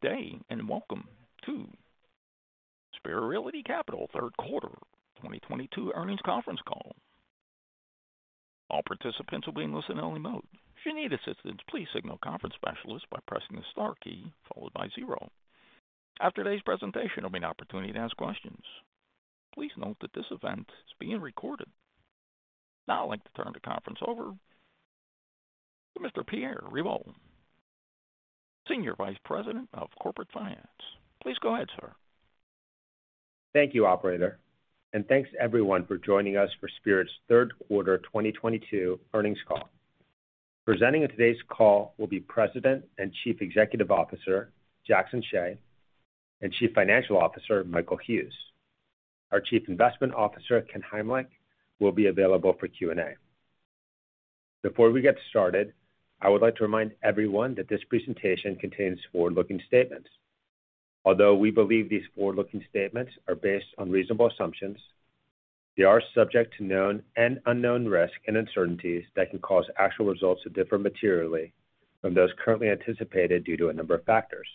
Good day, and welcome to Spirit Realty Capital 3rd quarter 2022 earnings conference call. All participants will be in listen-only mode. If you need assistance, please signal conference specialist by pressing the star key followed by zero. After today's presentation, there'll be an opportunity to ask questions. Please note that this event is being recorded. Now I'd like to turn the conference over to Mr. Pierre Revol, Senior Vice President of Corporate Finance. Please go ahead, sir. Thank you, operator, and thanks everyone for joining us for Spirit's 3rd quarter 2022 earnings call. Presenting in today's call will be President and Chief Executive Officer, Jackson Hsieh, and Chief Financial Officer, Michael Hughes. Our Chief Investment Officer, Ken Heimlich, will be available for Q&A. Before we get started, I would like to remind everyone that this presentation contains forward-looking statements. Although we believe these forward-looking statements are based on reasonable assumptions, they are subject to known and unknown risks and uncertainties that can cause actual results to differ materially from those currently anticipated due to a number of factors.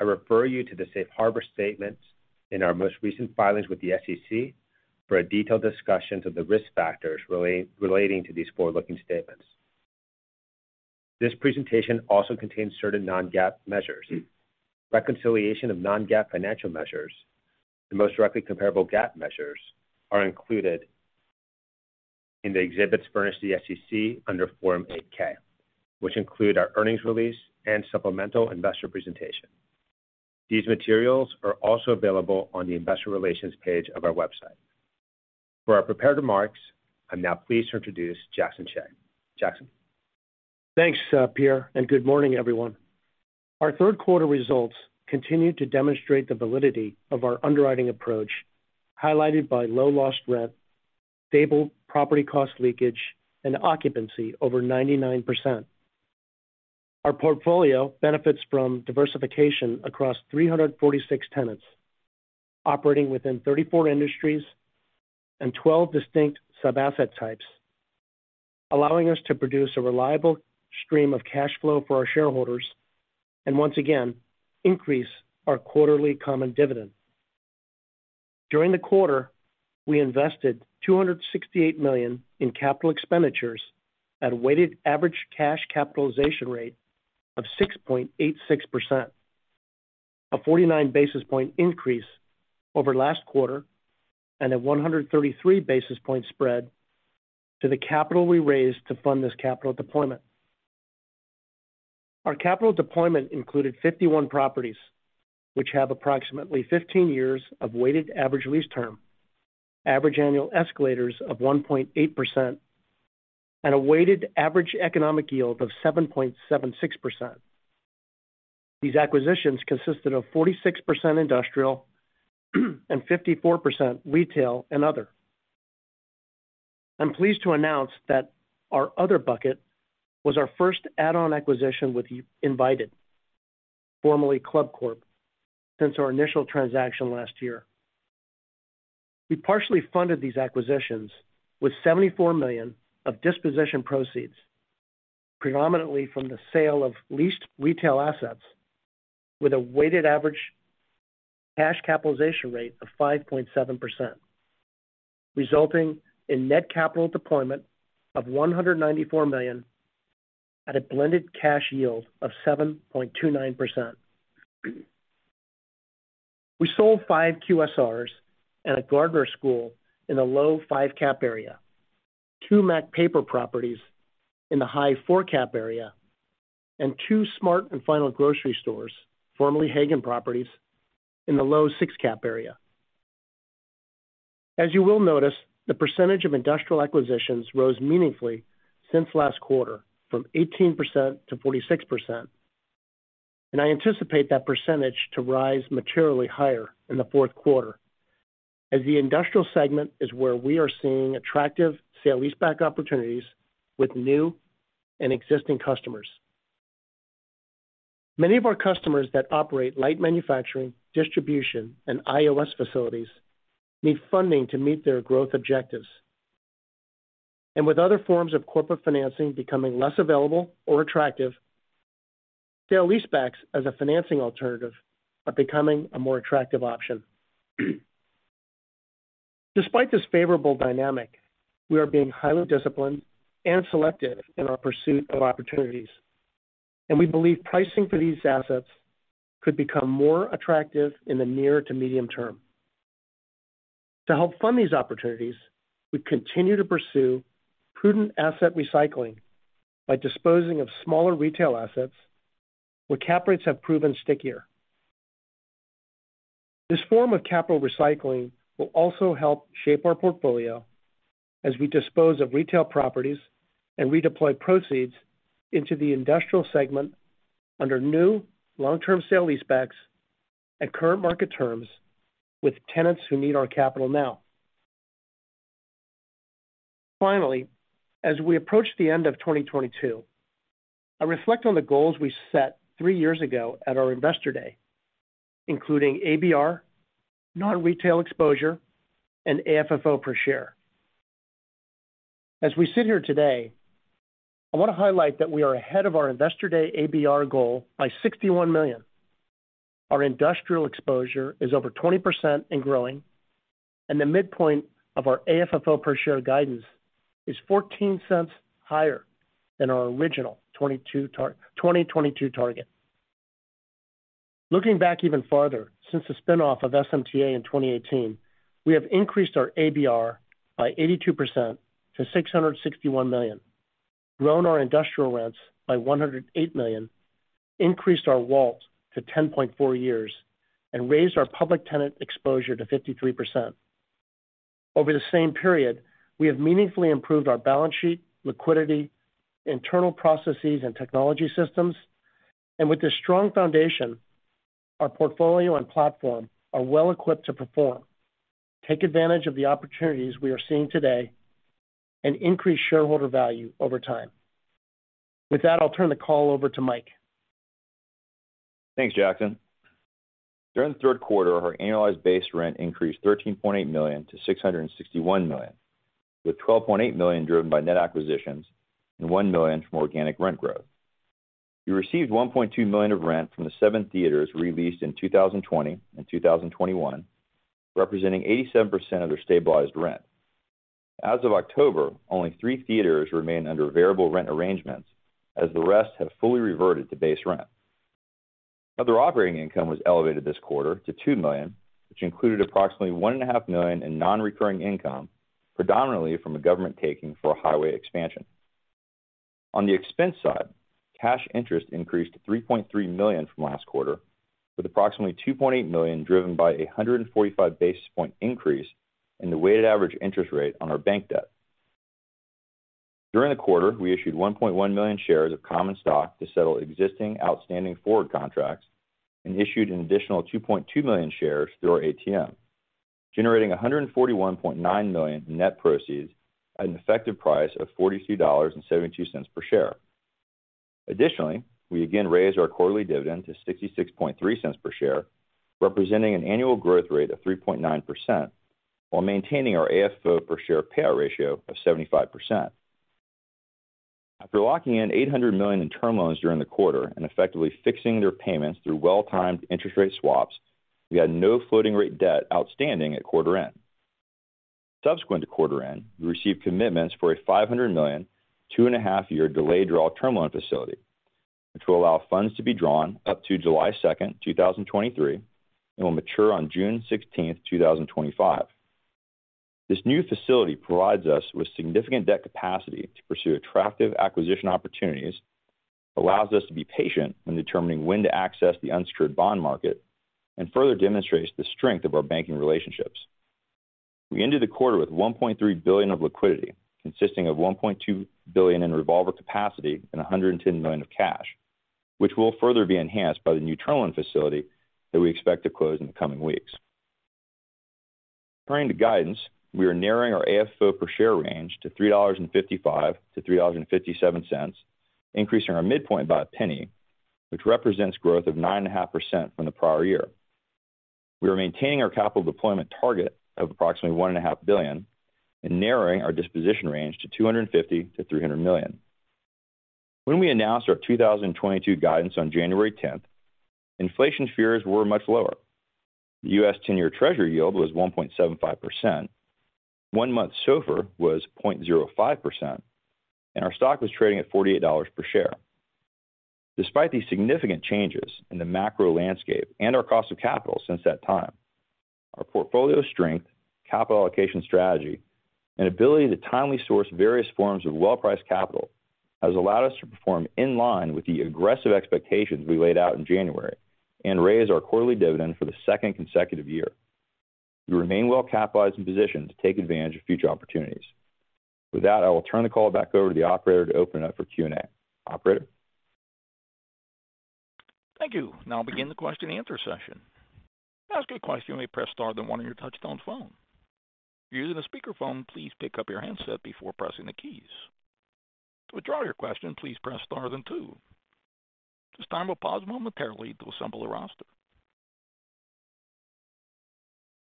I refer you to the safe harbor statements in our most recent filings with the SEC for a detailed discussions of the risk factors relating to these forward-looking statements. This presentation also contains certain non-GAAP measures. Reconciliation of non-GAAP financial measures to most directly comparable GAAP measures are included in the exhibits furnished to the SEC under Form 8-K, which include our earnings release and supplemental investor presentation. These materials are also available on the investor relations page of our website. For our prepared remarks, I'm now pleased to introduce Jackson Hsieh. Jackson. Thanks, Pierre, and good morning, everyone. Our 3rd quarter results continued to demonstrate the validity of our underwriting approach, highlighted by low lost rent, stable property cost leakage, and occupancy over 99%. Our portfolio benefits from diversification across 346 tenants operating within 34 industries and 12 distinct sub-asset types, allowing us to produce a reliable stream of cash flow for our shareholders and once again increase our quarterly common dividend. During the quarter, we invested $268 million in capital expenditures at a weighted average cash capitalization rate of 6.86%. A 49 basis point increase over last quarter and a 133 basis point spread to the capital we raised to fund this capital deployment. Our capital deployment included 51 properties, which have approximately 15 years of weighted average lease term, average annual escalators of 1.8%, and a weighted average economic yield of 7.76%. These acquisitions consisted of 46% industrial and 54% retail and other. I'm pleased to announce that our other bucket was our first add-on acquisition with the Invited, formerly ClubCorp, since our initial transaction last year. We partially funded these acquisitions with $74 million of disposition proceeds, predominantly from the sale of leased retail assets with a weighted average cash capitalization rate of 5.7%, resulting in net capital deployment of $194 million at a blended cash yield of 7.29%. We sold five QSRs at The Goddard School in a low five cap area, two Mac Papers properties in the high four cap area, and two Smart & Final grocery stores, formerly Haggen properties, in the low six cap area. As you will notice, the percentage of industrial acquisitions rose meaningfully since last quarter from 18%-46%, and I anticipate that percentage to rise materially higher in the 4th quarter as the industrial segment is where we are seeing attractive sale-leaseback opportunities with new and existing customers. Many of our customers that operate light manufacturing, distribution, and IOS facilities need funding to meet their growth objectives. With other forms of corporate financing becoming less available or attractive, sale-leasebacks as a financing alternative are becoming a more attractive option. Despite this favorable dynamic, we are being highly disciplined and selective in our pursuit of opportunities, and we believe pricing for these assets could become more attractive in the near to medium term. To help fund these opportunities, we continue to pursue prudent asset recycling by disposing of smaller retail assets where cap rates have proven stickier. This form of capital recycling will also help shape our portfolio as we dispose of retail properties and redeploy proceeds into the industrial segment under new long-term sale-leasebacks at current market terms with tenants who need our capital now. Finally, as we approach the end of 2022, I reflect on the goals we set three years ago at our Investor Day, including ABR, non-retail exposure, and AFFO per share. As we sit here today, I want to highlight that we are ahead of our Investor Day ABR goal by $61 million. Our industrial exposure is over 20% and growing, and the midpoint of our AFFO per share guidance is $0.14 higher than our original 2022 target. Looking back even farther, since the spin-off of SMTA in 2018, we have increased our ABR by 82% to $661 million, grown our industrial rents by $108 million, increased our WALTs to 10.4 years, and raised our public tenant exposure to 53%. Over the same period, we have meaningfully improved our balance sheet, liquidity, internal processes and technology systems. With this strong foundation, our portfolio and platform are well equipped to perform, take advantage of the opportunities we are seeing today, and increase shareholder value over time. With that, I'll turn the call over to Mike. Thanks, Jackson. During the 3rd quarter, our annualized base rent increased $13.8 million-$661 million, with $12.8 million driven by net acquisitions and $1 million from organic rent growth. We received $1.2 million of rent from the seven theaters re-leased in 2020 and 2021, representing 87% of their stabilized rent. As of October, only three theaters remain under variable rent arrangements as the rest have fully reverted to base rent. Other operating income was elevated this quarter to $2 million, which included approximately $1.5 million in non-recurring income, predominantly from a government taking for a highway expansion. On the expense side, cash interest increased to $3.3 million from last quarter, with approximately $2.8 million driven by a 145 basis point increase in the weighted average interest rate on our bank debt. During the quarter, we issued 1.1 million shares of common stock to settle existing outstanding forward contracts and issued an additional 2.2 million shares through our ATM, generating $141.9 million in net proceeds at an effective price of $42.72 per share. Additionally, we again raised our quarterly dividend to $0.663 per share, representing an annual growth rate of 3.9% while maintaining our AFFO per share payout ratio of 75%. After locking in $800 million in term loans during the quarter and effectively fixing their payments through well-timed interest rate swaps, we had no floating rate debt outstanding at quarter end. Subsequent to quarter end, we received commitments for a $500 million, 2.5-year delayed draw term loan facility, which will allow funds to be drawn up to July 2, 2023, and will mature on June 16, 2025. This new facility provides us with significant debt capacity to pursue attractive acquisition opportunities, allows us to be patient when determining when to access the unsecured bond market, and further demonstrates the strength of our banking relationships. We ended the quarter with $1.3 billion of liquidity, consisting of $1.2 billion in revolver capacity and $110 million of cash, which will further be enhanced by the new term loan facility that we expect to close in the coming weeks. Returning to guidance, we are narrowing our AFFO per share range to $3.55-$3.57, increasing our midpoint by a penny, which represents growth of 9.5% from the prior year. We are maintaining our capital deployment target of approximately $1.5 billion and narrowing our disposition range to $250 million-$300 million. When we announced our 2022 guidance on January tenth, inflation fears were much lower. The U.S. 10-year treasury yield was 1.75%. One-month SOFR was 0.05%, and our stock was trading at $48 per share. Despite these significant changes in the macro landscape and our cost of capital since that time, our portfolio strength, capital allocation strategy, and ability to timely source various forms of well-priced capital has allowed us to perform in line with the aggressive expectations we laid out in January and raise our quarterly dividend for the second consecutive year. We remain well capitalized and positioned to take advantage of future opportunities. With that, I will turn the call back over to the operator to open up for Q&A. Operator? Thank you. Now I'll begin the question and answer session. To ask a question, you may press star then one on your touchtone phone. If you're using a speakerphone, please pick up your handset before pressing the keys. To withdraw your question, please press star then two. At this time, we'll pause momentarily to assemble a roster.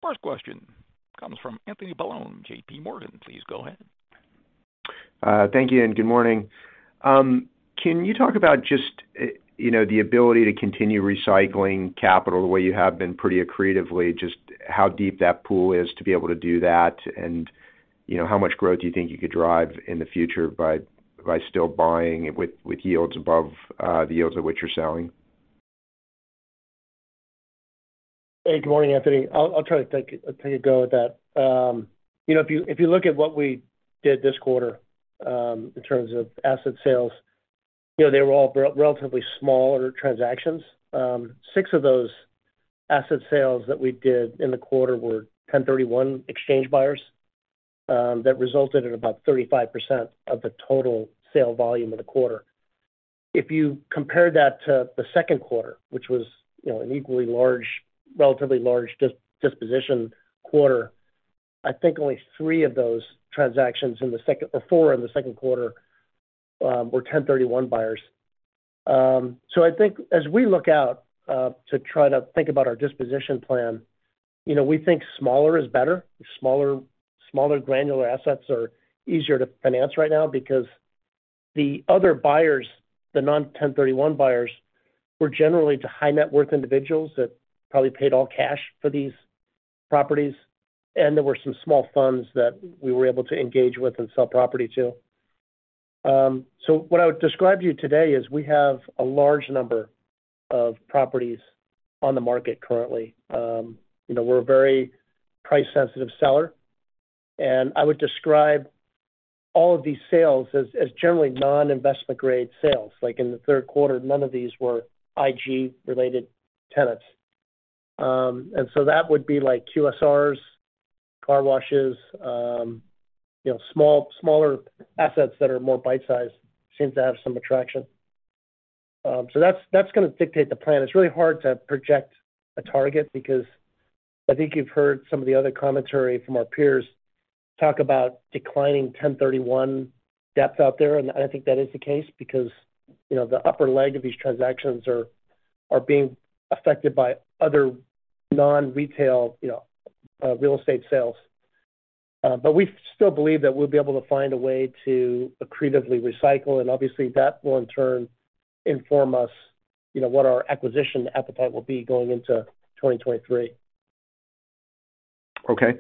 First question comes from Anthony Paolone, JPMorgan. Please go ahead. Thank you and good morning. Can you talk about just, you know, the ability to continue recycling capital the way you have been pretty accretively, just how deep that pool is to be able to do that? You know, how much growth do you think you could drive in the future by still buying with yields above the yields at which you're selling? Hey, good morning, Anthony. I'll try to take a go at that. You know, if you look at what we did this quarter, in terms of asset sales, you know, they were all relatively smaller transactions. Six of those asset sales that we did in the quarter were 1031 exchange buyers, that resulted in about 35% of the total sale volume of the quarter. If you compare that to the 2nd quarter, which was, you know, an equally large, relatively large disposition quarter, I think only three of those transactions in the second or four in the 2nd quarter, were 1031 buyers. I think as we look out, to try to think about our disposition plan, you know, we think smaller is better. Smaller granular assets are easier to finance right now because the other buyers, the non-1031 buyers, were generally the high net worth individuals that probably paid all cash for these properties. There were some small funds that we were able to engage with and sell property to. What I would describe to you today is we have a large number of properties on the market currently. You know, we're a very price-sensitive seller. I would describe all of these sales as generally non-investment grade sales. Like in the 3rd quarter, none of these were IG related tenants. That would be like QSRs, car washes, you know, small, smaller assets that are more bite-sized seem to have some attraction. That's gonna dictate the plan. It's really hard to project a target because I think you've heard some of the other commentary from our peers talk about declining 1031 depth out there. I think that is the case because, you know, the upper leg of these transactions are being affected by other non-retail, you know, real estate sales. We still believe that we'll be able to find a way to accretively recycle, and obviously that will in turn inform us, you know, what our acquisition appetite will be going into 2023. Okay.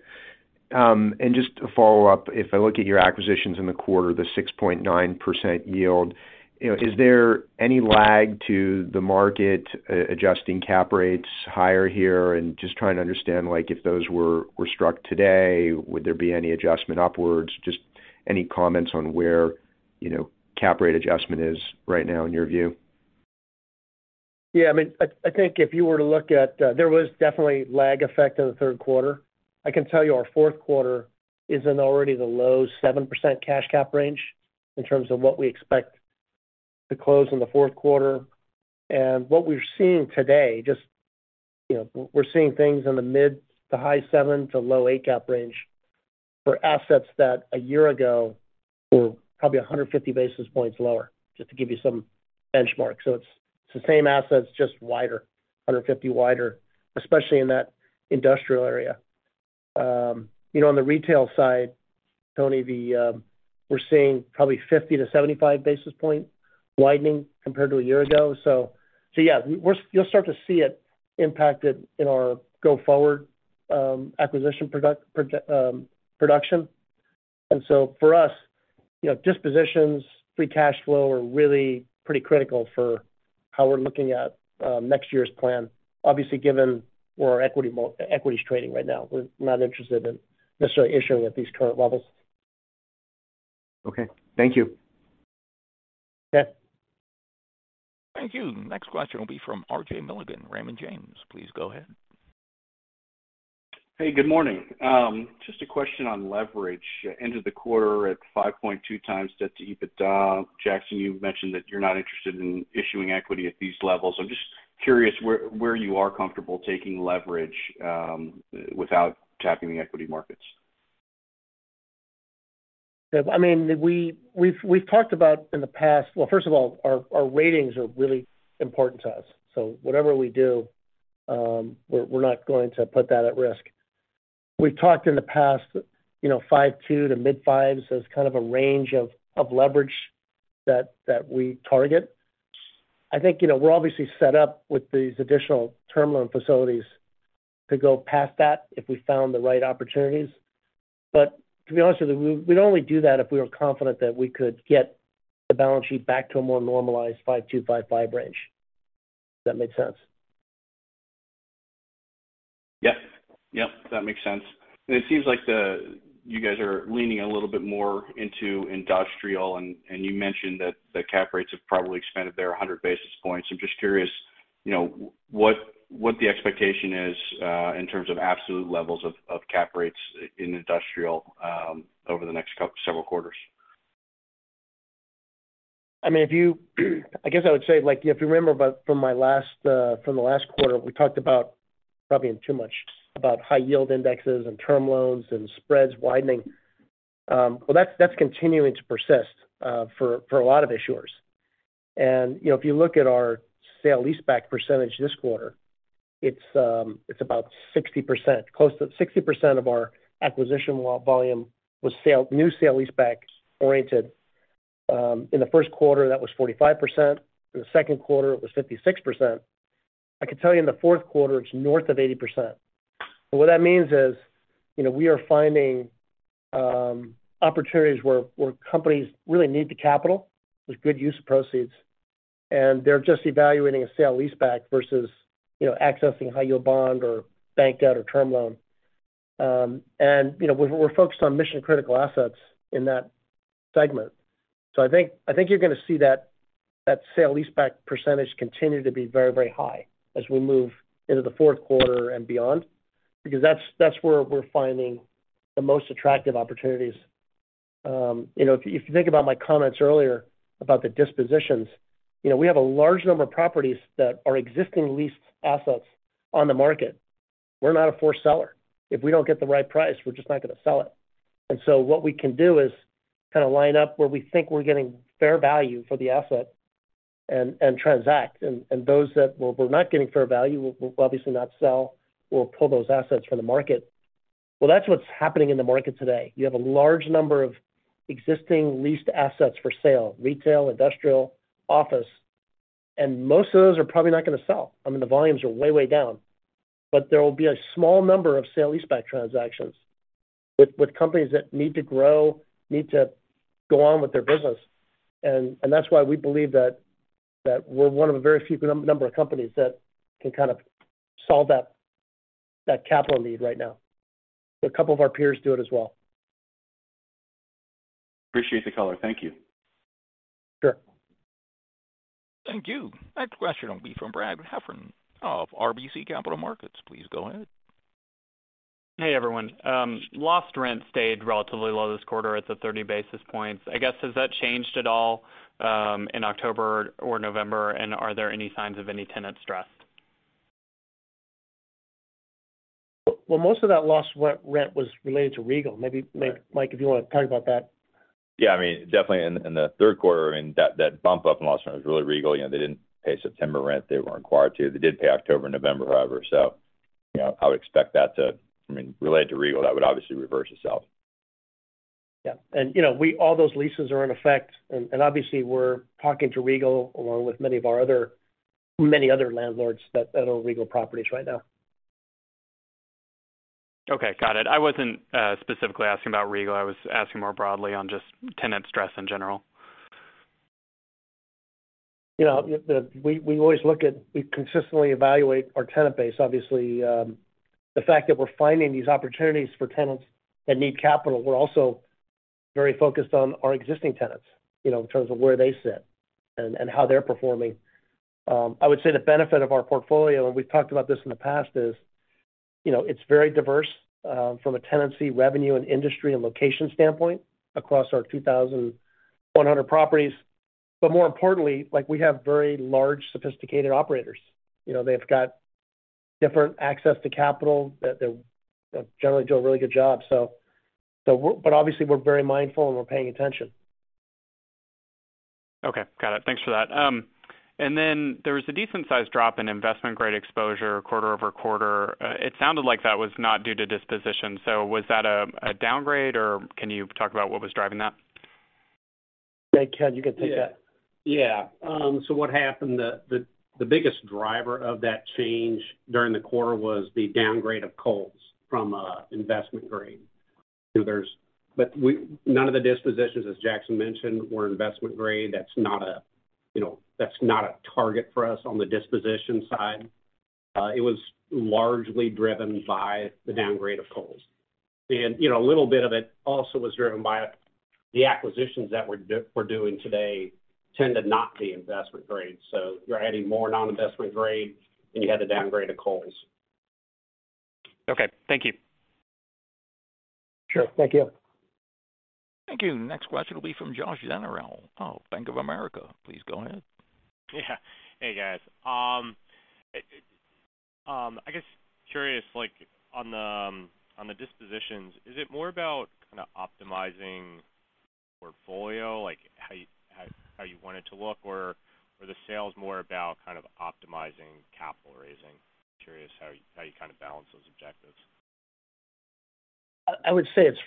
Just to follow up, if I look at your acquisitions in the quarter, the 6.9% yield, you know, is there any lag to the market adjusting cap rates higher here? Just trying to understand, like, if those were struck today, would there be any adjustment upwards? Just any comments on where, you know, cap rate adjustment is right now in your view? Yeah. I mean, I think if you were to look at, there was definitely lag effect in the 3rd quarter. I can tell you our 4th quarter is already in the low 7% cash cap range in terms of what we expect to close in the 4th quarter. What we're seeing today, just, you know, we're seeing things in the mid to high-7s to low-8s cap range for assets that a year ago were probably 150 basis points lower, just to give you some benchmarks. It's the same assets, just wider, 150 wider, especially in that industrial area. You know, on the retail side, Tony, we're seeing probably 50-75 basis point widening compared to a year ago. Yeah, you'll start to see it impacted in our go forward acquisition production. For us, you know, dispositions, free cash flow are really pretty critical for how we're looking at next year's plan. Obviously, given where our equity is trading right now, we're not interested in necessarily issuing at these current levels. Okay. Thank you. Okay. Thank you. Next question will be from RJ Milligan, Raymond James. Please go ahead. Hey, good morning. Just a question on leverage. You ended the quarter at 5.2x debt to EBITDA. Jackson, you mentioned that you're not interested in issuing equity at these levels. I'm just curious where you are comfortable taking leverage without tapping the equity markets? I mean, we've talked about in the past. Well, first of all, our ratings are really important to us. Whatever we do, we're not going to put that at risk. We've talked in the past, you know, 5.2 to mid-5s as kind of a range of leverage that we target. I think, you know, we're obviously set up with these additional term loan facilities to go past that if we found the right opportunities. But to be honest with you, we'd only do that if we were confident that we could get the balance sheet back to a more normalized 5.2-5.5 range. Does that make sense? Yes. Yep, that makes sense. It seems like you guys are leaning a little bit more into industrial, and you mentioned that the cap rates have probably expanded there 100 basis points. I'm just curious, you know, what the expectation is in terms of absolute levels of cap rates in industrial over the next several quarters. I mean, I guess I would say, like, if you remember from the last quarter, we talked about probably too much about high yield indexes and term loans and spreads widening. Well, that's continuing to persist for a lot of issuers. You know, if you look at our sale leaseback percentage this quarter, it's about 60%. Close to 60% of our acquisition volume was new sale leaseback oriented. In the 1st quarter, that was 45%. In the 2nd quarter, it was 56%. I can tell you in the 4th quarter, it's north of 80%. What that means is, you know, we are finding opportunities where companies really need the capital. There's good use of proceeds, and they're just evaluating a sale-leaseback versus, you know, accessing high-yield bond or bank debt or term loan. You know, we're focused on mission-critical assets in that segment. I think you're gonna see that sale-leaseback percentage continue to be very, very high as we move into the 4th quarter and beyond, because that's where we're finding the most attractive opportunities. You know, if you think about my comments earlier about the dispositions, you know, we have a large number of properties that are existing leased assets on the market. We're not a forced seller. If we don't get the right price, we're just not gonna sell it. What we can do is kind of line up where we think we're getting fair value for the asset and transact. Those that we're not getting fair value, we'll obviously not sell. We'll pull those assets from the market. Well, that's what's happening in the market today. You have a large number of existing leased assets for sale, retail, industrial, office. Most of those are probably not gonna sell. I mean, the volumes are way down. There will be a small number of sale leaseback transactions with companies that need to grow, need to go on with their business. That's why we believe that we're one of a very few number of companies that can kind of solve that capital need right now. A couple of our peers do it as well. Appreciate the color. Thank you. Sure. Thank you. Next question will be from Brad Heffern of RBC Capital Markets. Please go ahead. Hey, everyone. Lost rent stayed relatively low this quarter. It's at 30 basis points. I guess has that changed at all in October or November, and are there any signs of any tenant stress? Well, most of that lost rent was related to Regal. Maybe Mike, if you wanna talk about that. Yeah, I mean, definitely in the 3rd quarter, I mean, that bump up in lost rent was really Regal. You know, they didn't pay September rent. They were required to. They did pay October and November, however, so, you know, I would expect that to reverse itself. I mean, related to Regal, that would obviously reverse itself. Yeah. You know, all those leases are in effect and obviously we're talking to Regal, along with many other landlords that own Regal properties right now. Okay. Got it. I wasn't specifically asking about Regal. I was asking more broadly on just tenant stress in general. You know, we consistently evaluate our tenant base. Obviously, the fact that we're finding these opportunities for tenants that need capital, we're also very focused on our existing tenants, you know, in terms of where they sit and how they're performing. I would say the benefit of our portfolio, and we've talked about this in the past, is, you know, it's very diverse, from a tenancy revenue and industry and location standpoint across our 2,100 properties. More importantly, like, we have very large sophisticated operators. You know, they've got different access to capital that they generally do a really good job. Obviously we're very mindful and we're paying attention. Okay. Got it. Thanks for that. There was a decent-sized drop in investment-grade exposure quarter-over-quarter. It sounded like that was not due to disposition. Was that a downgrade, or can you talk about what was driving that? Yeah. Ken, you can take that. What happened, the biggest driver of that change during the quarter was the downgrade of Kohl's from investment grade. None of the dispositions, as Jackson mentioned, were investment grade. That's not a, you know, that's not a target for us on the disposition side. It was largely driven by the downgrade of Kohl's. You know, a little bit of it also was driven by the acquisitions that we're doing today tend to not be investment grade. You're adding more non-investment grade and you had the downgrade of Kohl's. Okay. Thank you. Sure. Thank you. Thank you. Next question will be from Joshua Dennerlein of Bank of America. Please go ahead. Yeah. Hey, guys. I'm curious, like on the dispositions, is it more about kind of optimizing portfolio, like how you want it to look? Or are the sales more about kind of optimizing capital raising? I'm curious how you kind of balance those objectives. I would say it's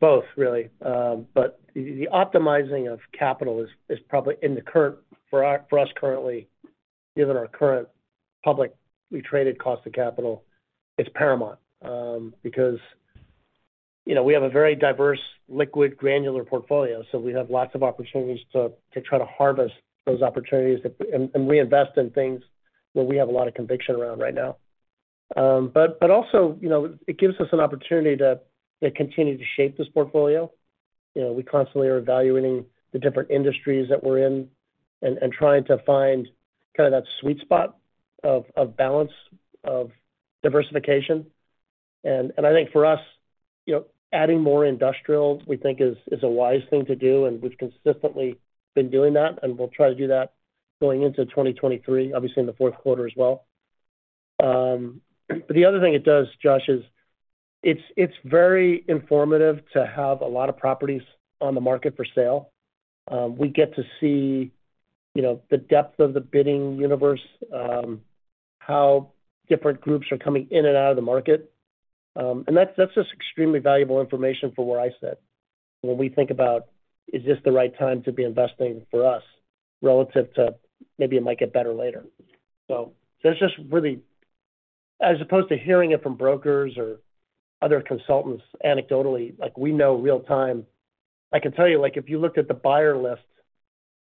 both really. The optimizing of capital is probably for us currently, given our current publicly traded cost of capital, it's paramount. Because, you know, we have a very diverse, liquid, granular portfolio, so we have lots of opportunities to try to harvest those opportunities and reinvest in things where we have a lot of conviction around right now. But also, you know, it gives us an opportunity to continue to shape this portfolio. You know, we constantly are evaluating the different industries that we're in and trying to find kind of that sweet spot of balance, of diversification. I think for us, you know, adding more industrial we think is a wise thing to do, and we've consistently been doing that, and we'll try to do that going into 2023, obviously in the 4th quarter as well. The other thing it does, Josh, is it's very informative to have a lot of properties on the market for sale. We get to see, you know, the depth of the bidding universe, how different groups are coming in and out of the market. That's just extremely valuable information for where I sit when we think about, is this the right time to be investing for us relative to maybe it might get better later. There's just really as opposed to hearing it from brokers or other consultants anecdotally, like we know real time. I can tell you, like if you looked at the buyer list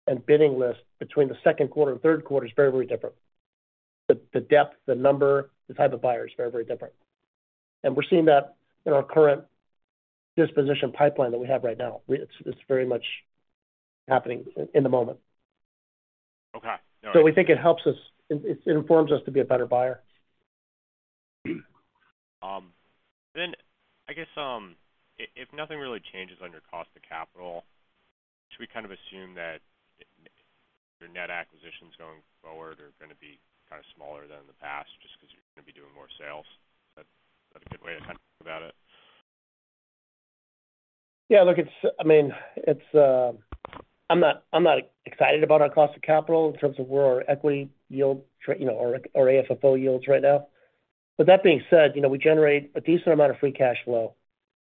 and bidding list between the 2nd quarter and 3rd quarter, it's very, very different. The depth, the number, the type of buyer is very, very different. We're seeing that in our current disposition pipeline that we have right now. It's very much happening in the moment. Okay. All right. We think it helps us. It informs us to be a better buyer. I guess, if nothing really changes on your cost of capital, should we kind of assume that your net acquisitions going forward are gonna be kind of smaller than in the past just 'cause you're gonna be doing more sales. Is that a good way to think about it? Yeah. Look, I mean, it's. I'm not excited about our cost of capital in terms of where our equity yield, you know, or AFFO yields right now. That being said, you know, we generate a decent amount of free cash flow.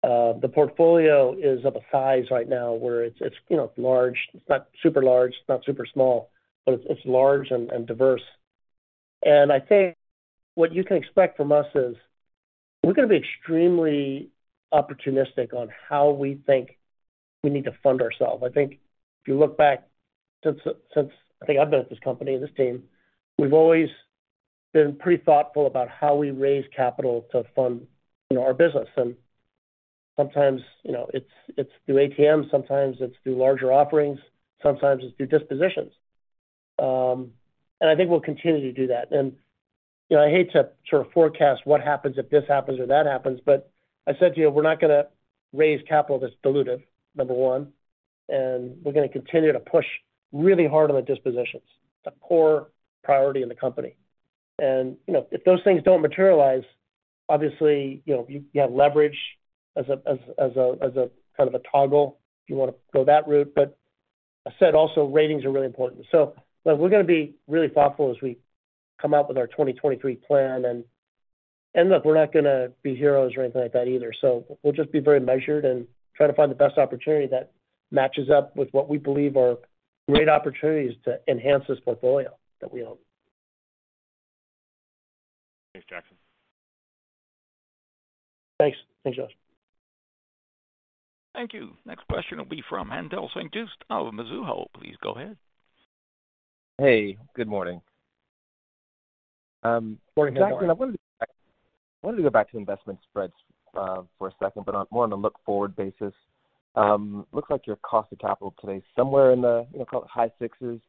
The portfolio is of a size right now where it's, you know, large. It's not super large, it's not super small, but it's large and diverse. I think what you can expect from us is we're gonna be extremely opportunistic on how we think we need to fund ourselves. I think if you look back since I think I've been at this company and this team, we've always been pretty thoughtful about how we raise capital to fund, you know, our business. Sometimes, you know, it's through ATMs, sometimes it's through larger offerings, sometimes it's through dispositions. I think we'll continue to do that. You know, I hate to sort of forecast what happens if this happens or that happens, but I said to you, we're not gonna raise capital that's diluted, number one, and we're gonna continue to push really hard on the dispositions. It's a core priority in the company. You know, if those things don't materialize, obviously, you know, you have leverage as a kind of a toggle if you wanna go that route. I said also ratings are really important. Look, we're gonna be really thoughtful as we come out with our 2023 plan. Look, we're not gonna be heroes or anything like that either. We'll just be very measured and try to find the best opportunity that matches up with what we believe are great opportunities to enhance this portfolio that we own. Thanks, Jackson. Thanks. Thanks, Josh. Thank you. Next question will be from Haendel St. Juste of Mizuho. Please go ahead. Hey, good morning. Good morning, Haendel. Jackson, I wanted to go back to investment spreads for a second, but more on a look-forward basis. Looks like your cost of capital today is somewhere in the, you know, call it high sixes.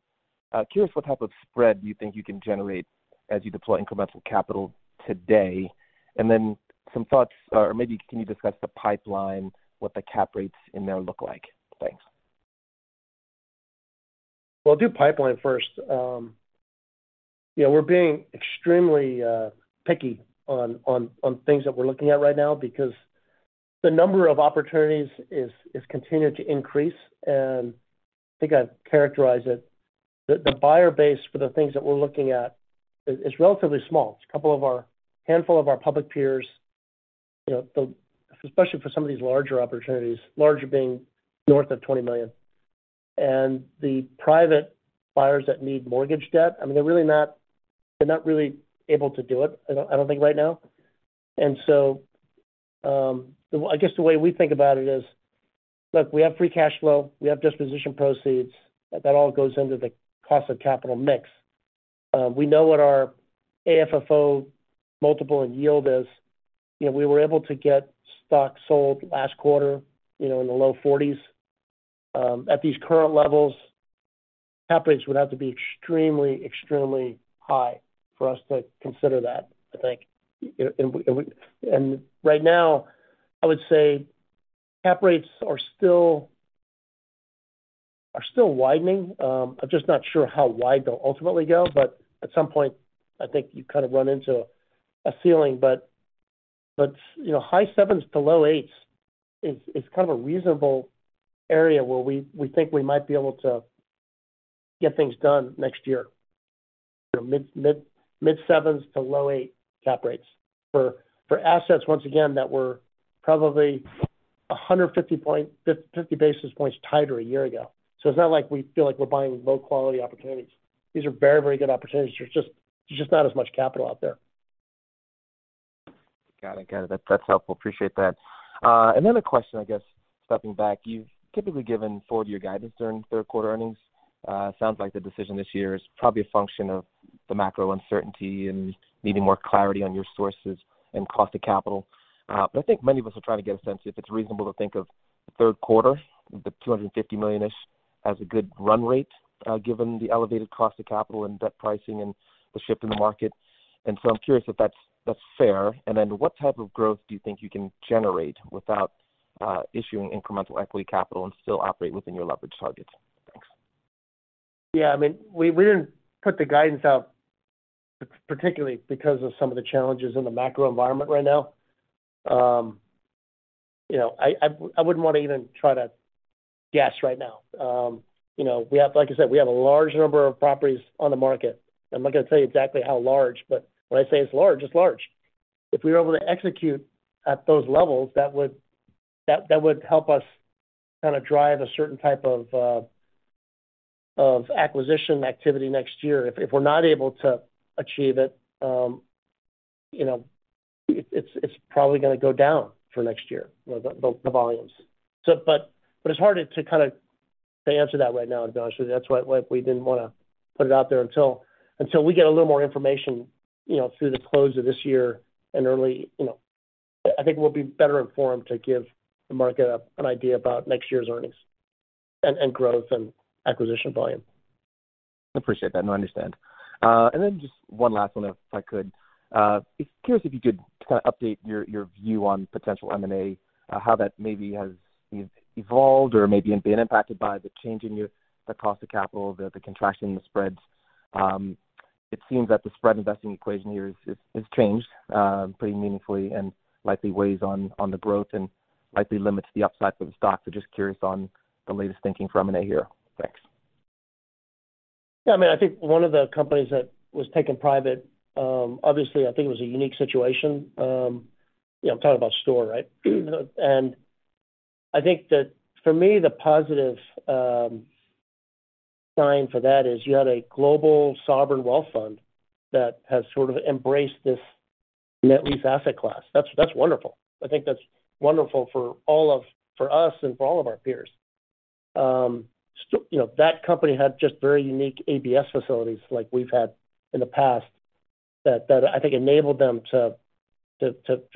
Curious what type of spread you think you can generate as you deploy incremental capital today. Some thoughts or maybe can you discuss the pipeline, what the cap rates in there look like? Thanks. Well, I'll do pipeline first. You know, we're being extremely picky on things that we're looking at right now because the number of opportunities is continuing to increase. I think I'd characterize it the buyer base for the things that we're looking at is relatively small. It's a couple handful of our public peers, you know, especially for some of these larger opportunities, larger being north of $20 million. The private buyers that need mortgage debt, I mean, they're not really able to do it, I don't think right now. The way we think about it is, look, we have free cash flow, we have disposition proceeds. That all goes into the cost of capital mix. We know what our AFFO multiple and yield is. You know, we were able to get stock sold last quarter, you know, in the low 40s. At these current levels, cap rates would have to be extremely high for us to consider that, I think. Right now I would say cap rates are still widening. I'm just not sure how wide they'll ultimately go, but at some point I think you kind of run into a ceiling. You know, high 7s to low 8s is kind of a reasonable area where we think we might be able to get things done next year. You know, mid-7s to low 8 cap rates for assets once again that were probably 150 basis points tighter a year ago. It's not like we feel like we're buying low quality opportunities. These are very, very good opportunities. There's just not as much capital out there. Got it. Got it. That's helpful. Appreciate that. Another question I guess stepping back. You've typically given forward year guidance during 3rd quarter earnings. Sounds like the decision this year is probably a function of the macro uncertainty and needing more clarity on your sources and cost of capital. I think many of us are trying to get a sense if it's reasonable to think of the 3rd quarter, the $250 million-ish as a good run rate, given the elevated cost of capital and debt pricing and the shift in the market. I'm curious if that's fair. Then what type of growth do you think you can generate without issuing incremental equity capital and still operate within your leverage targets? Thanks. Yeah, I mean, we didn't put the guidance out particularly because of some of the challenges in the macro environment right now. You know, I wouldn't wanna even try to guess right now. You know, like I said, we have a large number of properties on the market. I'm not gonna tell you exactly how large, but when I say it's large, it's large. If we were able to execute at those levels, that would help us kinda drive a certain type of acquisition activity next year. If we're not able to achieve it, you know, it's probably gonna go down for next year, the volumes. It's hard to kinda answer that right now, to be honest with you. That's why we didn't wanna put it out there until we get a little more information, you know, through the close of this year and early, you know. I think we'll be better informed to give the market an idea about next year's earnings and growth and acquisition volume. Appreciate that. No, I understand. Just one last one, if I could. Just curious if you could kind of update your view on potential M&A, how that maybe has evolved or maybe been impacted by the change in the cost of capital, the contraction in the spreads. It seems that the spread investing equation here has changed pretty meaningfully and likely weighs on the growth and likely limits the upside for the stock. Just curious on the latest thinking from M&A here. Thanks. Yeah. I mean, I think one of the companies that was taken private, obviously, I think it was a unique situation. You know, I'm talking about STORE Capital, right? I think that for me, the positive sign for that is you had a global sovereign wealth fund that has sort of embraced this net lease asset class. That's wonderful. I think that's wonderful for all of us and for all of our peers. You know, that company had just very unique ABS facilities like we've had in the past that I think enabled them to to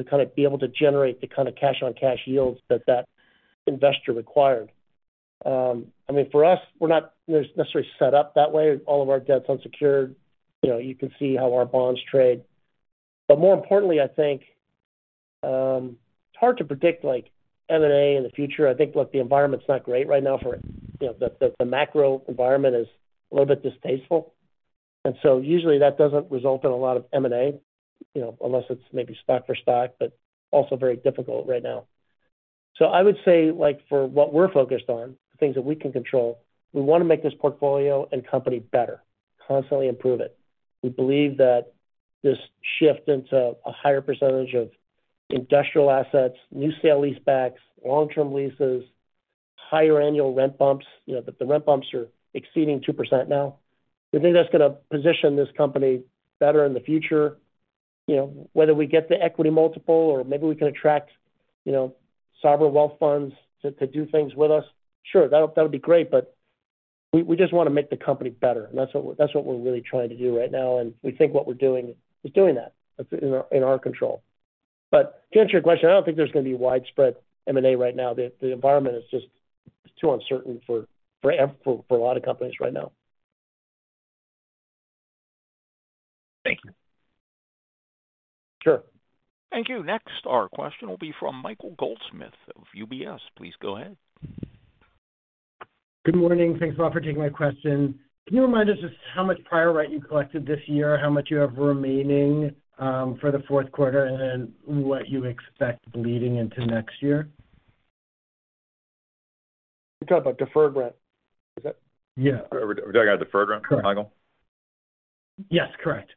kind of be able to generate the kind of cash-on-cash yields that that investor required. I mean, for us, we're not necessarily set up that way. All of our debt's unsecured. You know, you can see how our bonds trade. More importantly, I think, it's hard to predict, like M&A in the future. I think, look, the environment's not great right now for it. You know, the macro environment is a little bit distasteful, and so usually that doesn't result in a lot of M&A, you know, unless it's maybe stock for stock, but also very difficult right now. I would say, like, for what we're focused on, the things that we can control, we wanna make this portfolio and company better, constantly improve it. We believe that this shift into a higher percentage of industrial assets, new sale-leasebacks, long-term leases, higher annual rent bumps, you know, the rent bumps are exceeding 2% now. We think that's gonna position this company better in the future. You know, whether we get the equity multiple or maybe we can attract, you know, sovereign wealth funds to do things with us, sure, that'd be great, but we just wanna make the company better, and that's what we're really trying to do right now, and we think what we're doing is doing that. That's in our control. But to answer your question, I don't think there's gonna be widespread M&A right now. The environment is just too uncertain for a lot of companies right now. Thank you. Sure. Thank you. Next, our question will be from Michael Goldsmith of UBS. Please go ahead. Good morning. Thanks a lot for taking my question. Can you remind us just how much prior rent you collected this year, how much you have remaining, for the 4th quarter, and then what you expect leading into next year? You're talking about deferred rent, is it? Yeah. We're talking about deferred rent, Michael? Yes, correct.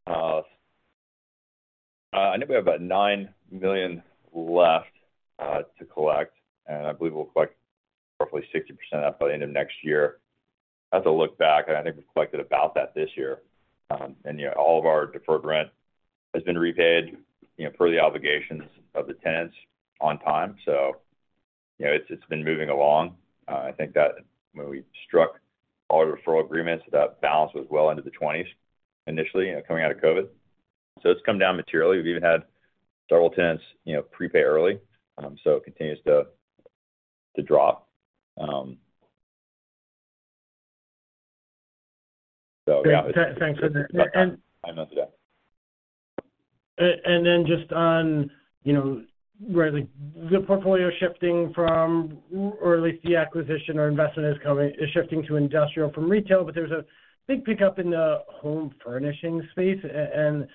I think we have about $9 million left to collect, and I believe we'll collect roughly 60% of that by the end of next year. I'd have to look back, and I think we've collected about that this year. You know, all of our deferred rent has been repaid, you know, per the obligations of the tenants on time. It's been moving along. I think that when we struck all the deferral agreements, that balance was well into the 20s initially, coming out of COVID. It's come down materially. We've even had several tenants, you know, prepay early. So it continues to drop. So yeah. Thanks for that. I messed it up. Then just on, you know, where the portfolio shifting from or at least the acquisition or investment is shifting to industrial from retail, but there's a big pickup in the home furnishing space and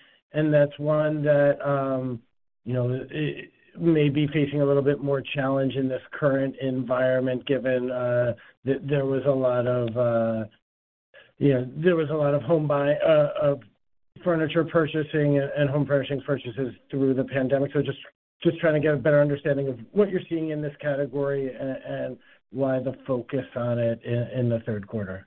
that's one that, you know, it may be facing a little bit more challenge in this current environment given that there was a lot of, you know, of furniture purchasing and home furnishing purchases through the pandemic. Just trying to get a better understanding of what you're seeing in this category and why the focus on it in the 3rd quarter.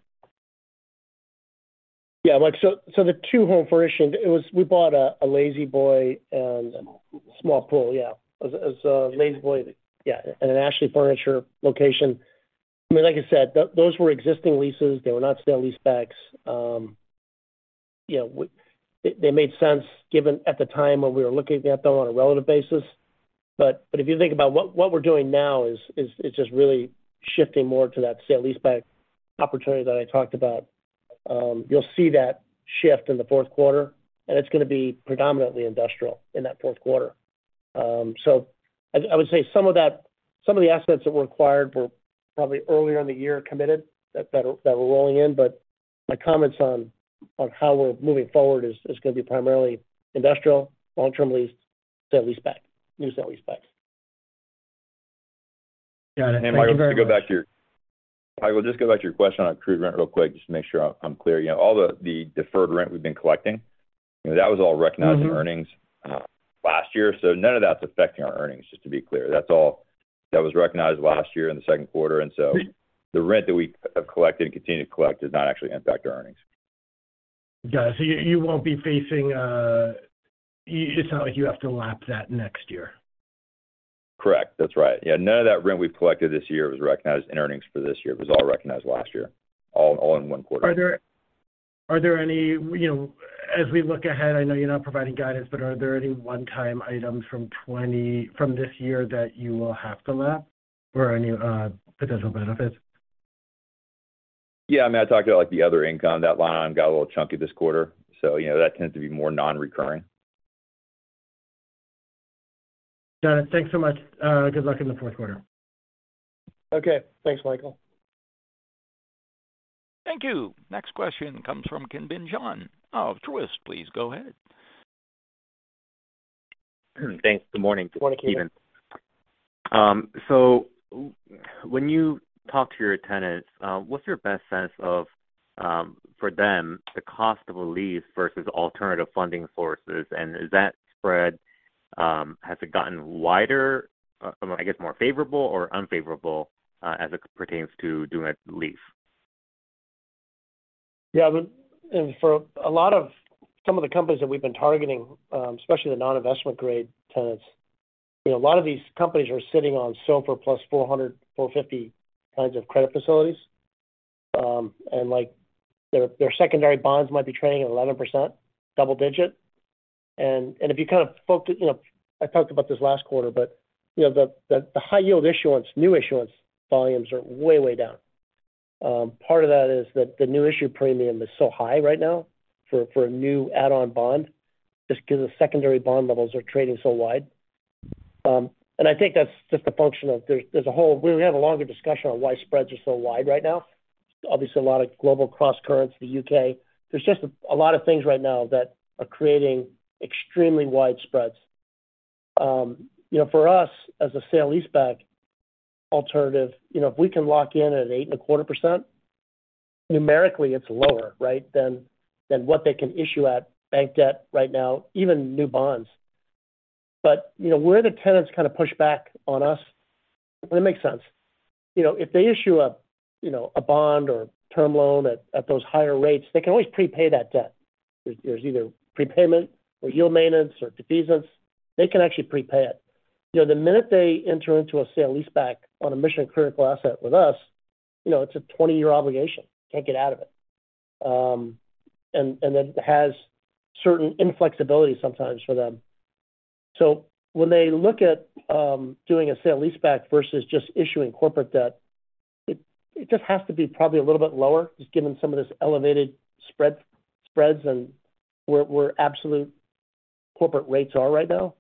Yeah, Mike. The two home furnishings, we bought a La-Z-Boy and an Ashley. It was La-Z-Boy and an Ashley Furniture location. I mean, like I said, those were existing leases. They were not sale-leasebacks. You know, they made sense given at the time when we were looking at them on a relative basis. If you think about what we're doing now is just really shifting more to that sale-leaseback opportunity that I talked about. You'll see that shift in the 4th quarter, and it's gonna be predominantly industrial in that 4th quarter. I would say some of the assets that were acquired were probably earlier in the year committed that were rolling in. My comments on how we're moving forward is gonna be primarily industrial, long-term lease, sale-leaseback, new sale-leaseback. Got it. Thank you very much. Michael, to go back to your question on accrued rent real quick, just to make sure I'm clear. You know, all the deferred rent we've been collecting, that was all recognized in earnings last year. None of that's affecting our earnings, just to be clear. That's all that was recognized last year in the 2nd quarter. The rent that we have collected and continue to collect does not actually impact our earnings. Got it. You won't be facing. It's not like you have to lap that next year? Correct. That's right. Yeah, none of that rent we've collected this year was recognized in earnings for this year. It was all recognized last year in one quarter. Are there any, you know, as we look ahead, I know you're not providing guidance, but are there any one-time items from this year that you will have to lap or any potential benefits? Yeah, I mean, I talked about like the other income. That line got a little chunky this quarter, so you know, that tends to be more non-recurring. Got it. Thanks so much. Good luck in the 4th quarter. Okay. Thanks, Michael. Thank you. Next question comes from Ki Bin Kim of Truist. Please go ahead. Thanks. Good morning. Good morning, Ki Bin. When you talk to your tenants, what's your best sense of for them the cost of a lease versus alternative funding sources? Has it gotten wider, I guess more favorable or unfavorable as it pertains to doing a lease? Some of the companies that we've been targeting, especially the non-investment grade tenants, you know, a lot of these companies are sitting on SOFR + 400, 450 kinds of credit facilities. Like their secondary bonds might be trading at 11%, double digit. If you kind of focus, you know, I talked about this last quarter, but you know, the high yield issuance, new issuance volumes are way down. Part of that is that the new issue premium is so high right now for a new add-on bond, just because the secondary bond levels are trading so wide. I think that's just a function of. We have a longer discussion on why spreads are so wide right now. Obviously, a lot of global crosscurrents, the U.K. There's just a lot of things right now that are creating extremely wide spreads. You know, for us as a sale leaseback alternative, you know, if we can lock in at 8.25%, numerically it's lower, right, than what they can issue at bank debt right now, even new bonds. You know, where the tenants kind of push back on us, and it makes sense. You know, if they issue a, you know, a bond or term loan at those higher rates, they can always prepay that debt. There's either prepayment or yield maintenance or defeasance. They can actually prepay it. You know, the minute they enter into a sale leaseback on a mission-critical asset with us, you know, it's a 20-year obligation. Can't get out of it. It has certain inflexibility sometimes for them. When they look at doing a sale leaseback versus just issuing corporate debt, it just has to be probably a little bit lower, just given some of this elevated spreads and where absolute corporate rates are right now.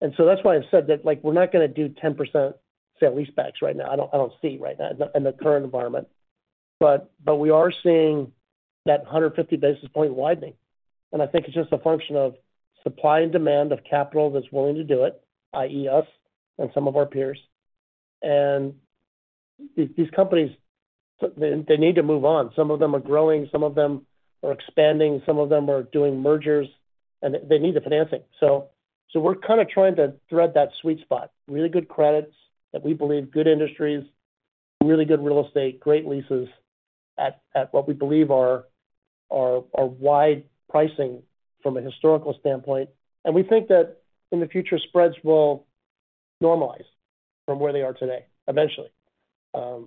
That's why I've said that, like, we're not gonna do 10% sale leasebacks right now. I don't see right now in the current environment. We are seeing that 150 basis point widening. I think it's just a function of supply and demand of capital that's willing to do it, i.e. us and some of our peers. These companies, they need to move on. Some of them are growing, some of them are expanding, some of them are doing mergers, and they need the financing. We're kind of trying to thread that sweet spot. Really good credits that we believe good industries, really good real estate, great leases at what we believe are wide pricing from a historical standpoint. We think that in the future, spreads will normalize from where they are today, eventually. That's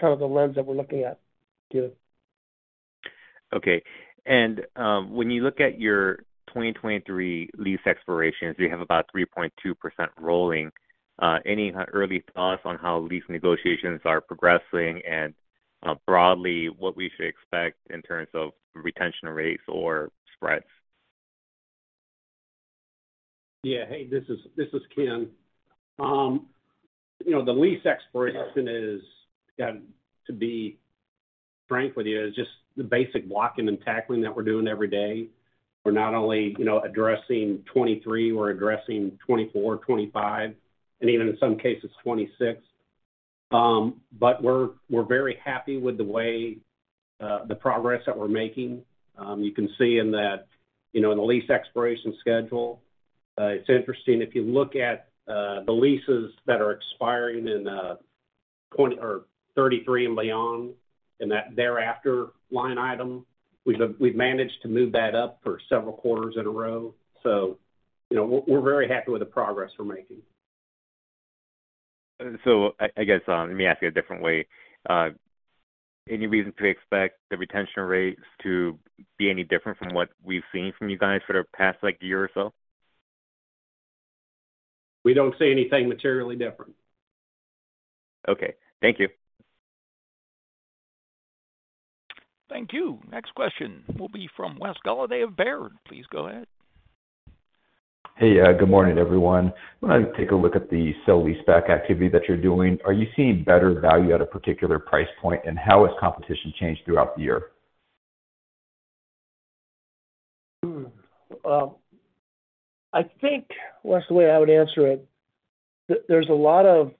kind of the lens that we're looking at, Ki Bin. Okay. When you look at your 2023 lease expirations, you have about 3.2% rolling. Any early thoughts on how lease negotiations are progressing and, broadly what we should expect in terms of retention rates or spreads? Yeah. Hey, this is Ken. You know, the lease expiration is, to be frank with you, just the basic blocking and tackling that we're doing every day. We're not only addressing 2023, we're addressing 2024, 2025, and even in some cases 2026. But we're very happy with the way the progress that we're making. You can see in that, you know, in the lease expiration schedule. It's interesting if you look at the leases that are expiring in 2023 or 2033 and beyond, in that thereafter line item, we've managed to move that up for several quarters in a row. You know, we're very happy with the progress we're making. I guess, let me ask you a different way. Any reason to expect the retention rates to be any different from what we've seen from you guys for the past, like year or so? We don't see anything materially different. Okay. Thank you. Thank you. Next question will be from Wes Golladay of Baird. Please go ahead. Hey. Good morning, everyone. When I take a look at the sale leaseback activity that you're doing, are you seeing better value at a particular price point? How has competition changed throughout the year? I think, Wes, the way I would answer it, there's a lot of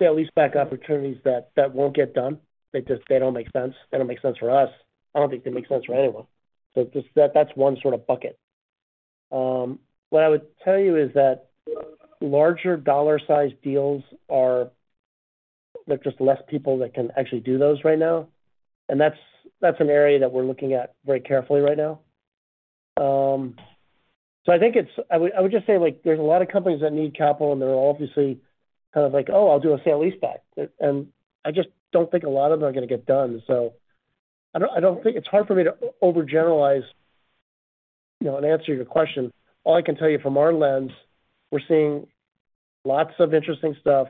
sale-leaseback opportunities that won't get done. They just don't make sense. They don't make sense for us. I don't think they make sense for anyone. That's one sort of bucket. What I would tell you is that larger dollar size deals, there are just less people that can actually do those right now. That's an area that we're looking at very carefully right now. I would just say, like, there's a lot of companies that need capital, and they're obviously kind of like, "Oh, I'll do a sale-leaseback." I just don't think a lot of them are gonna get done. I don't think it's hard for me to overgeneralize, you know, and answer your question. All I can tell you from our lens, we're seeing lots of interesting stuff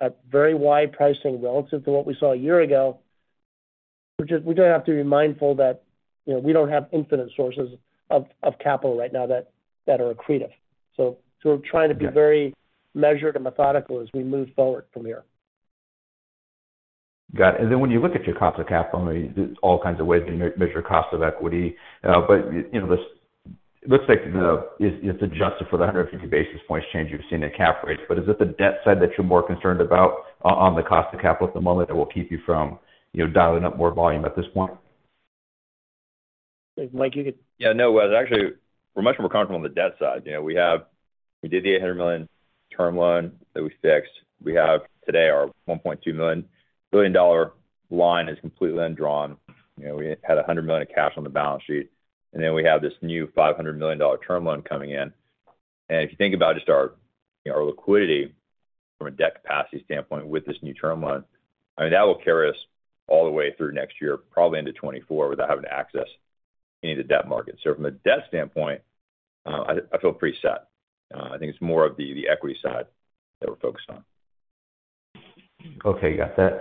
at very wide pricing relative to what we saw a year ago. We do have to be mindful that, you know, we don't have infinite sources of capital right now that are accretive. We're trying to be very measured and methodical as we move forward from here. Got it. When you look at your cost of capital, I mean, there's all kinds of ways that you measure cost of equity. You know, this looks like it's adjusted for the 150 basis points change you've seen in cap rates. Is it the debt side that you're more concerned about on the cost of capital at the moment that will keep you from, you know, dialing up more volume at this point? Mike, you could. Yeah. No, well, actually, we're much more comfortable on the debt side. You know, we have, we did the $800 million term loan that we fixed. We have today our $1.2 billion line is completely undrawn. You know, we had $100 million of cash on the balance sheet. Then we have this new $500 million term loan coming in. If you think about just our, you know, our liquidity from a debt capacity standpoint with this new term loan, I mean, that will carry us all the way through next year, probably into 2024, without having to access any of the debt market. From a debt standpoint, I feel pretty set. I think it's more of the equity side that we're focused on. Okay. Got that.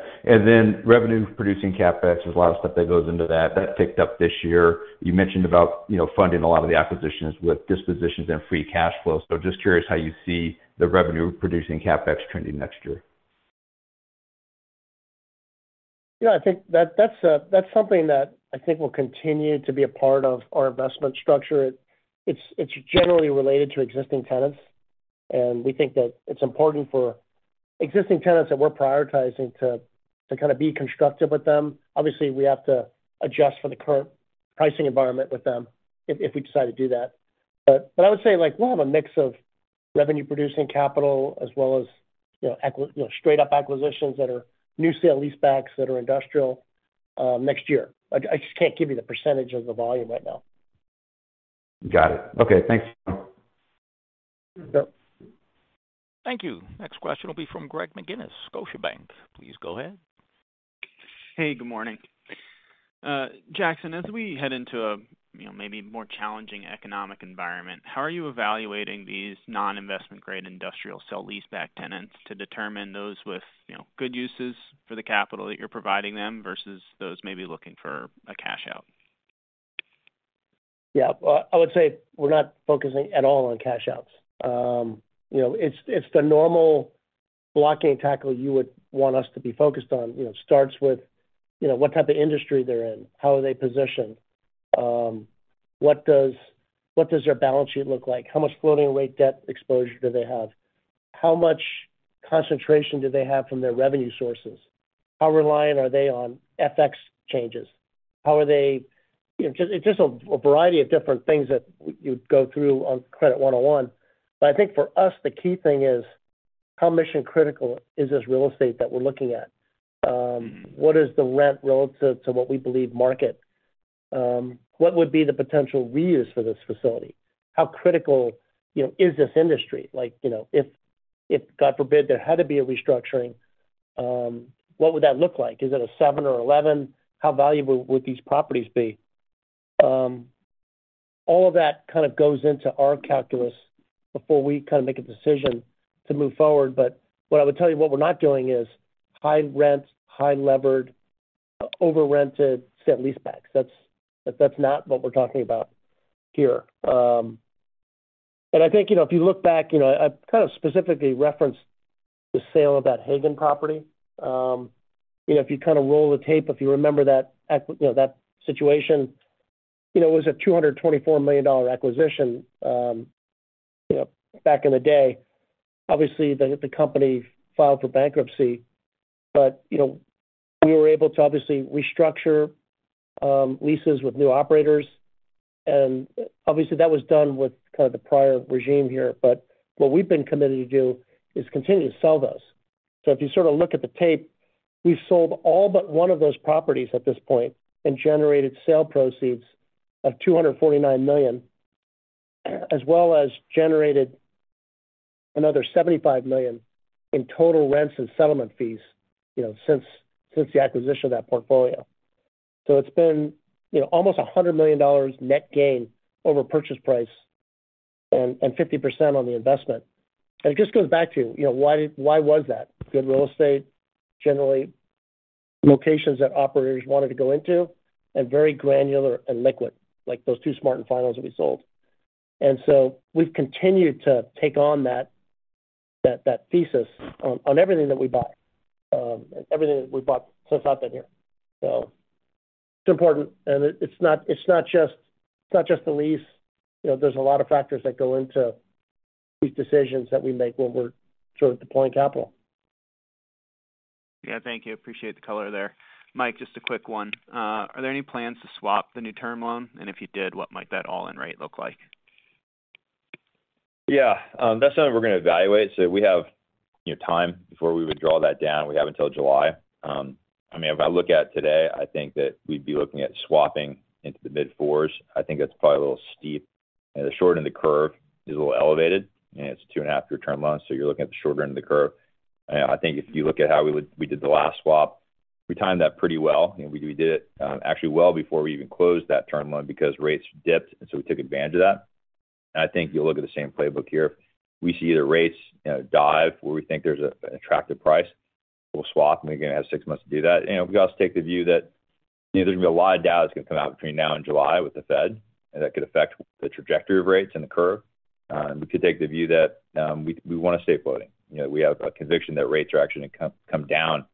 Revenue-producing CapEx, there's a lot of stuff that goes into that. That picked up this year. You mentioned about, you know, funding a lot of the acquisitions with dispositions and free cash flow. Just curious how you see the revenue-producing CapEx trending next year. Yeah, I think that's something that I think will continue to be a part of our investment structure. It's generally related to existing tenants, and we think that it's important for existing tenants that we're prioritizing to kind of be constructive with them. Obviously, we have to adjust for the current pricing environment with them if we decide to do that. But I would say, like, we'll have a mix of revenue-producing capital as well as, you know, straight up acquisitions that are new sale-leasebacks that are industrial next year. I just can't give you the percentage of the volume right now. Got it. Okay, thanks. Yep. Thank you. Next question will be from Greg McGinniss, Scotiabank. Please go ahead. Hey, good morning. Jackson, as we head into a maybe more challenging economic environment, how are you evaluating these non-investment grade industrial sale leaseback tenants to determine those with good uses for the capital that you're providing them versus those maybe looking for a cash out? Yeah. I would say we're not focusing at all on cash outs. You know, it's the normal blocking and tackling you would want us to be focused on. You know, starts with, you know, what type of industry they're in, how are they positioned, what does their balance sheet look like? How much floating rate debt exposure do they have? How much concentration do they have from their revenue sources? How reliant are they on FX changes? How are they. You know, just, it's just a variety of different things that you go through on Credit 101. I think for us, the key thing is how mission critical is this real estate that we're looking at? What is the rent relative to what we believe market? What would be the potential reuse for this facility? How critical, you know, is this industry? Like, you know, if God forbid, there had to be a restructuring, what would that look like? Is it a seven or eleven? How valuable would these properties be? All of that kind of goes into our calculus before we kind of make a decision to move forward. What I would tell you, what we're not doing is high rent, high levered, over-rented sale leasebacks. That's not what we're talking about here. I think, you know, if you look back, you know, I've kind of specifically referenced the sale of that Haggen property. You know, if you kind of roll the tape, if you remember that situation, you know, it was a $224 million acquisition, you know, back in the day. Obviously, the company filed for bankruptcy, but you know, we were able to obviously restructure leases with new operators. Obviously that was done with kind of the prior regime here. What we've been committed to do is continue to sell those. If you sort of look at the tape, we've sold all but one of those properties at this point and generated sale proceeds of $249 million, as well as generated another $75 million in total rents and settlement fees, you know, since the acquisition of that portfolio. It's been, you know, almost $100 million dollars net gain over purchase price and 50% on the investment. It just goes back to, you know, why was that? Good real estate, generally locations that operators wanted to go into and very granular and liquid, like those two Smart & Final that we sold. We've continued to take on that thesis on everything that we buy, everything that we've bought since I've been here. It's important. It's not just the lease. You know, there's a lot of factors that go into these decisions that we make when we're sort of deploying capital. Yeah, thank you. Appreciate the color there. Mike, just a quick one. Are there any plans to swap the new term loan? If you did, what might that all-in rate look like? Yeah. That's something we're gonna evaluate. We have, you know, time before we would draw that down. We have until July. I mean, if I look at today, I think that we'd be looking at swapping into the mid-fours. I think that's probably a little steep. The short end of the curve is a little elevated, and it's a 2.5-year term loan, so you're looking at the shorter end of the curve. I think if you look at we did the last swap. We timed that pretty well. You know, we did it, actually well before we even closed that term loan because rates dipped, and so we took advantage of that. I think you'll look at the same playbook here. If we see the rates, you know, dive where we think there's an attractive price, we'll swap, and we're gonna have six months to do that. You know, we've got to take the view that, you know, there's gonna be a lot of data that's gonna come out between now and July with the Fed, and that could affect the trajectory of rates and the curve. We could take the view that we wanna stay floating. You know, we have a conviction that rates are actually gonna come down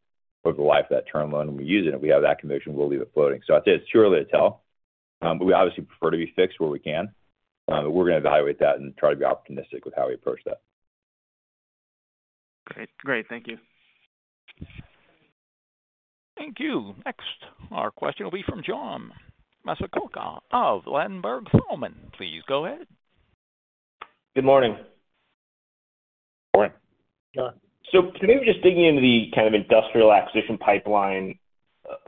over the life of that term loan, and we use it. If we have that conviction, we'll leave it floating. Like I said, it's too early to tell, but we obviously prefer to be fixed where we can. We're gonna evaluate that and try to be optimistic with how we approach that. Great. Thank you. Thank you. Next, our question will be from John Massocca of Ladenburg Thalmann. Please go ahead. Good morning. Morning. John. Maybe just digging into the kind of industrial acquisition pipeline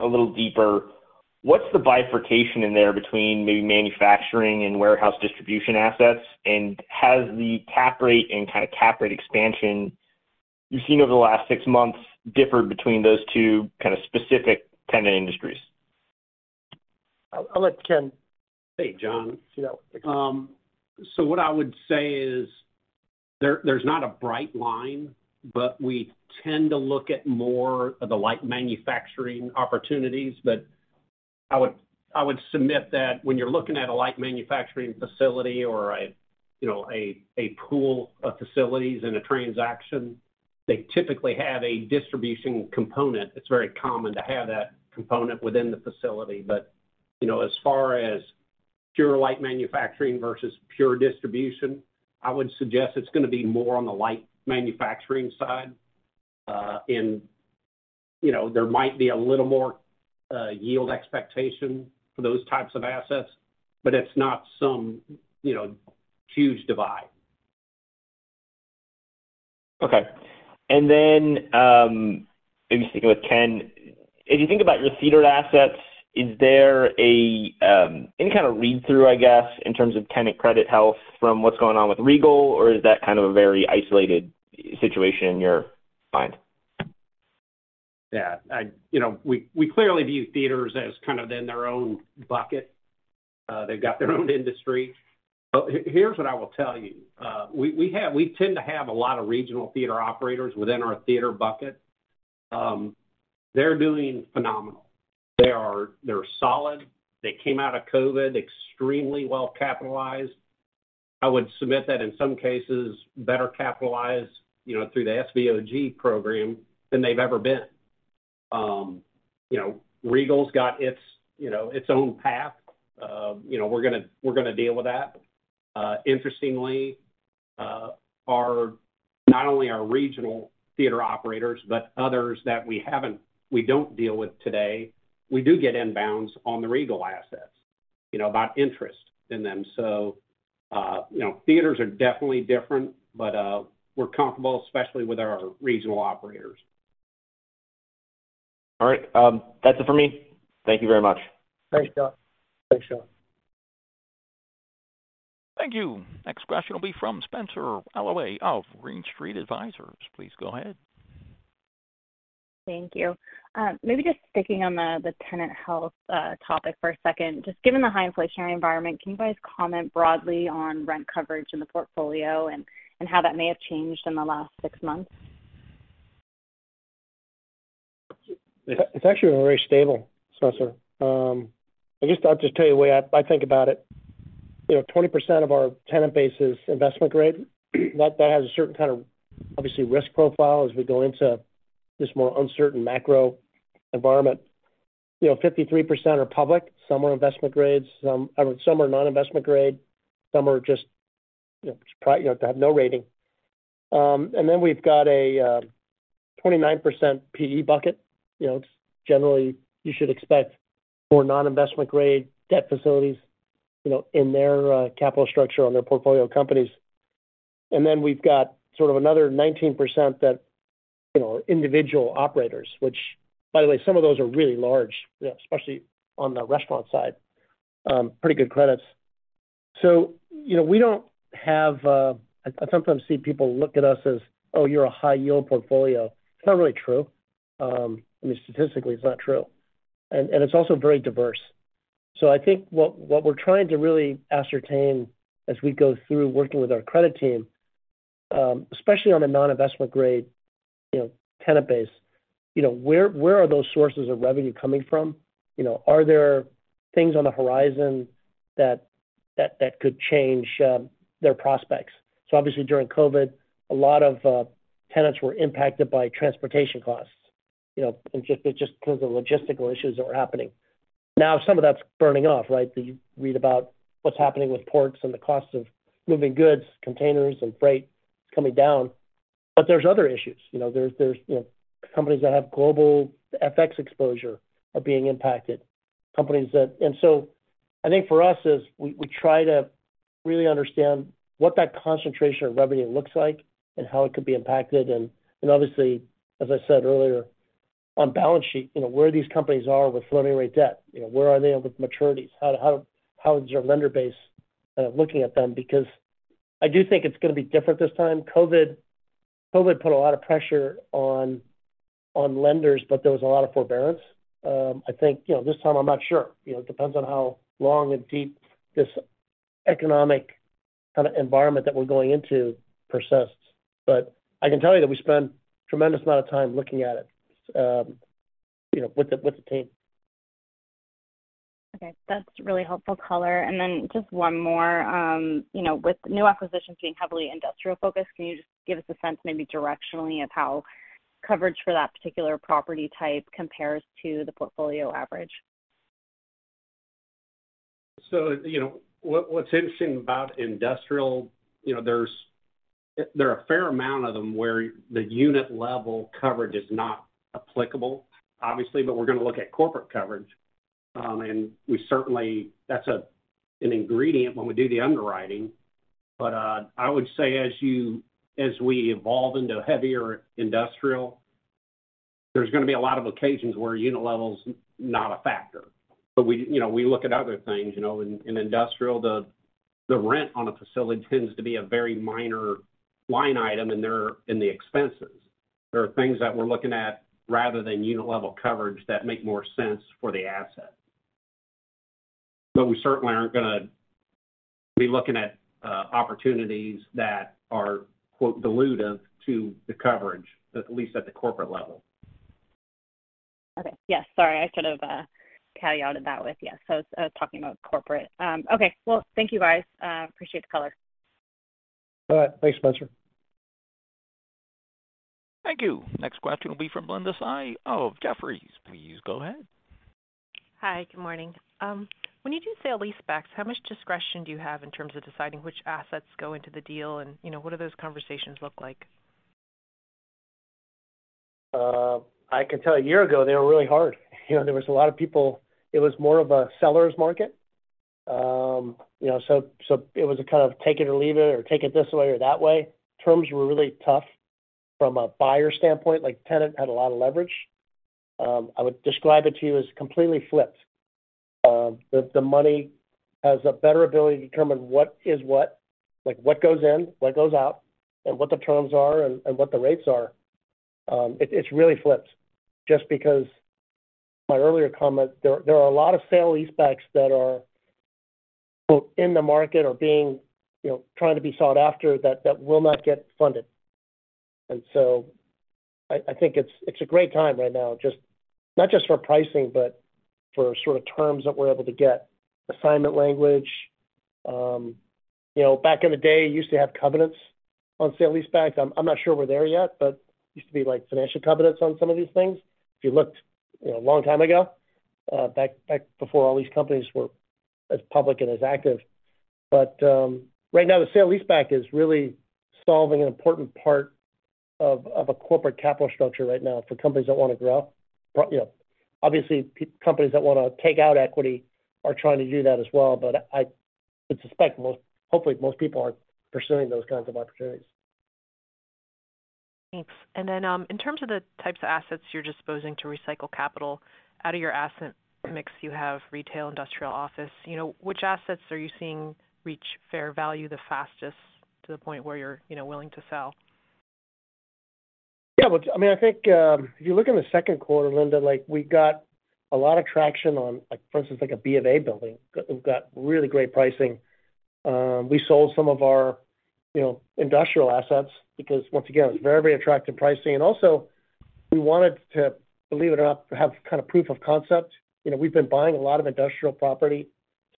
a little deeper, what's the bifurcation in there between maybe manufacturing and warehouse distribution assets? Has the cap rate and kind of cap rate expansion you've seen over the last six months differed between those two kind of specific tenant industries? I'll let Ken. Hey, John See that one. What I would say is there's not a bright line, but we tend to look at more of the light manufacturing opportunities. I would submit that when you're looking at a light manufacturing facility or a, you know, a pool of facilities in a transaction, they typically have a distribution component. It's very common to have that component within the facility. You know, as far as pure light manufacturing versus pure distribution, I would suggest it's gonna be more on the light manufacturing side. You know, there might be a little more yield expectation for those types of assets, but it's not some, you know, huge divide. Okay. Maybe sticking with Ken, if you think about your theater assets, is there any kind of read-through, I guess, in terms of tenant credit health from what's going on with Regal, or is that kind of a very isolated situation in your mind? Yeah. You know, we clearly view theaters as kind of in their own bucket. They've got their own industry. Here's what I will tell you. We tend to have a lot of regional theater operators within our theater bucket. They're doing phenomenal. They're solid. They came out of COVID extremely well-capitalized. I would submit that in some cases, better capitalized, you know, through the SVOG program than they've ever been. You know, Regal's got its, you know, its own path. You know, we're gonna deal with that. Interestingly, not only our regional theater operators, but others that we don't deal with today, we do get inbounds on the Regal assets, you know, about interest in them. You know, theaters are definitely different, but we're comfortable, especially with our regional operators. All right. That's it for me. Thank you very much. Thanks, John. Thanks, John. Thank you. Next question will be from Spenser Allaway of Green Street Advisors. Please go ahead. Thank you. Maybe just sticking on the tenant health topic for a second. Just given the high inflationary environment, can you guys comment broadly on rent coverage in the portfolio and how that may have changed in the last six months? It's actually been very stable, Spenser. I guess I'll just tell you the way I think about it. You know, 20% of our tenant base is investment grade. That has a certain kind of obviously risk profile as we go into this more uncertain macro environment. You know, 53% are public. Some are investment grades, some I mean, some are non-investment grade, some are just, you know, have no rating. Then we've got a 29% PE bucket. You know, it's generally you should expect more non-investment grade debt facilities, you know, in their capital structure on their portfolio companies. Then we've got sort of another 19% that, you know, are individual operators, which, by the way, some of those are really large, you know, especially on the restaurant side. Pretty good credits. You know, I sometimes see people look at us as, "Oh, you're a high yield portfolio." It's not really true. I mean, statistically, it's not true. It's also very diverse. I think what we're trying to really ascertain as we go through working with our credit team, especially on the non-investment grade, you know, tenant base, you know, where are those sources of revenue coming from? You know, are there things on the horizon that could change their prospects? Obviously, during COVID, a lot of tenants were impacted by transportation costs, you know, and just because of logistical issues that were happening. Now, some of that's burning off, right? You read about what's happening with ports and the cost of moving goods, containers and freight, it's coming down. There's other issues. You know, there's, you know, companies that have global FX exposure are being impacted. I think for us is we try to really understand what that concentration of revenue looks like and how it could be impacted. Obviously, as I said earlier, on balance sheet, you know, where these companies are with floating rate debt. You know, where are they with maturities? How is your lender base looking at them? Because I do think it's gonna be different this time. COVID put a lot of pressure on lenders, but there was a lot of forbearance. I think, you know, this time I'm not sure. You know, it depends on how long and deep this economic kinda environment that we're going into persists. I can tell you that we spend tremendous amount of time looking at it, you know, with the team. Okay. That's really helpful color. Just one more. You know, with new acquisitions being heavily industrial focused, can you just give us a sense, maybe directionally of how coverage for that particular property type compares to the portfolio average? You know, what's interesting about industrial, you know, there are a fair amount of them where the unit level coverage is not applicable obviously, but we're gonna look at corporate coverage. We certainly, that's an ingredient when we do the underwriting. I would say as we evolve into heavier industrial, there's gonna be a lot of occasions where unit level's not a factor. We, you know, look at other things. You know, in industrial, the rent on a facility tends to be a very minor line item, and they're in the expenses. There are things that we're looking at rather than unit level coverage that make more sense for the asset. We certainly aren't gonna be looking at opportunities that are, quote, dilutive to the coverage, at least at the corporate level. Okay. Yes. I was talking about corporate. Okay. Well, thank you guys. Appreciate the color. All right. Thanks, Spenser. Thank you. Next question will be from Linda Tsai of Jefferies. Please go ahead. Hi. Good morning. When you do sale-leasebacks, how much discretion do you have in terms of deciding which assets go into the deal and, you know, what do those conversations look like? I can tell you a year ago they were really hard. You know, there was a lot of people. It was more of a seller's market. You know, it was a kind of take it or leave it or take it this way or that way. Terms were really tough from a buyer standpoint, like tenant had a lot of leverage. I would describe it to you as completely flipped. The money has a better ability to determine what is what. Like, what goes in, what goes out, and what the terms are and what the rates are. It's really flipped just because my earlier comment, there are a lot of sale-leasebacks that are both in the market or being, you know, trying to be sought after that will not get funded. I think it's a great time right now, not just for pricing, but for sort of terms that we're able to get. Assignment language. You know, back in the day, you used to have covenants on sale-leasebacks. I'm not sure we're there yet, but used to be like financial covenants on some of these things. If you looked, you know, a long time ago, back before all these companies were as public and as active. Right now the sale-leaseback is really solving an important part of a corporate capital structure right now for companies that wanna grow. You know, obviously PE companies that wanna take out equity are trying to do that as well. I would suspect most, hopefully most people aren't pursuing those kinds of opportunities. Thanks. In terms of the types of assets you're disposing to recycle capital out of your asset mix, you have retail, industrial, office. You know, which assets are you seeing reach fair value the fastest to the point where you're, you know, willing to sell? Yeah. Well, I mean, I think, if you look in the 2nd quarter, Linda, like we got a lot of traction on like, for instance, a Bank of America building. We've got really great pricing. We sold some of our, you know, industrial assets because once again, it's very, very attractive pricing. And also we wanted to, believe it or not, have kind of proof of concept. You know, we've been buying a lot of industrial property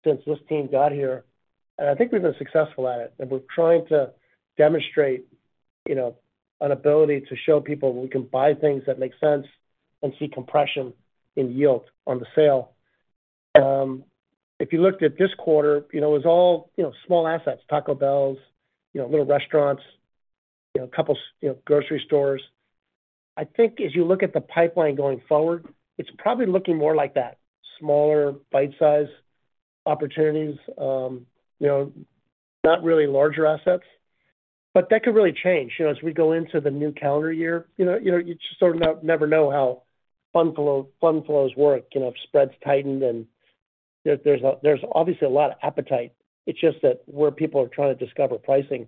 since this team got here. And I think we've been successful at it. And we're trying to demonstrate, you know, an ability to show people we can buy things that make sense and see compression in yield on the sale. If you looked at this quarter, you know, it was all, you know, small assets, Taco Bell, you know, little restaurants, you know, a couple, you know, grocery stores. I think as you look at the pipeline going forward, it's probably looking more like that. Smaller bite size opportunities, you know, not really larger assets. That could really change, you know, as we go into the new calendar year. You know, you just sort of never know how fund flows work, you know, if spreads tighten. There's obviously a lot of appetite. It's just that where people are trying to discover pricing.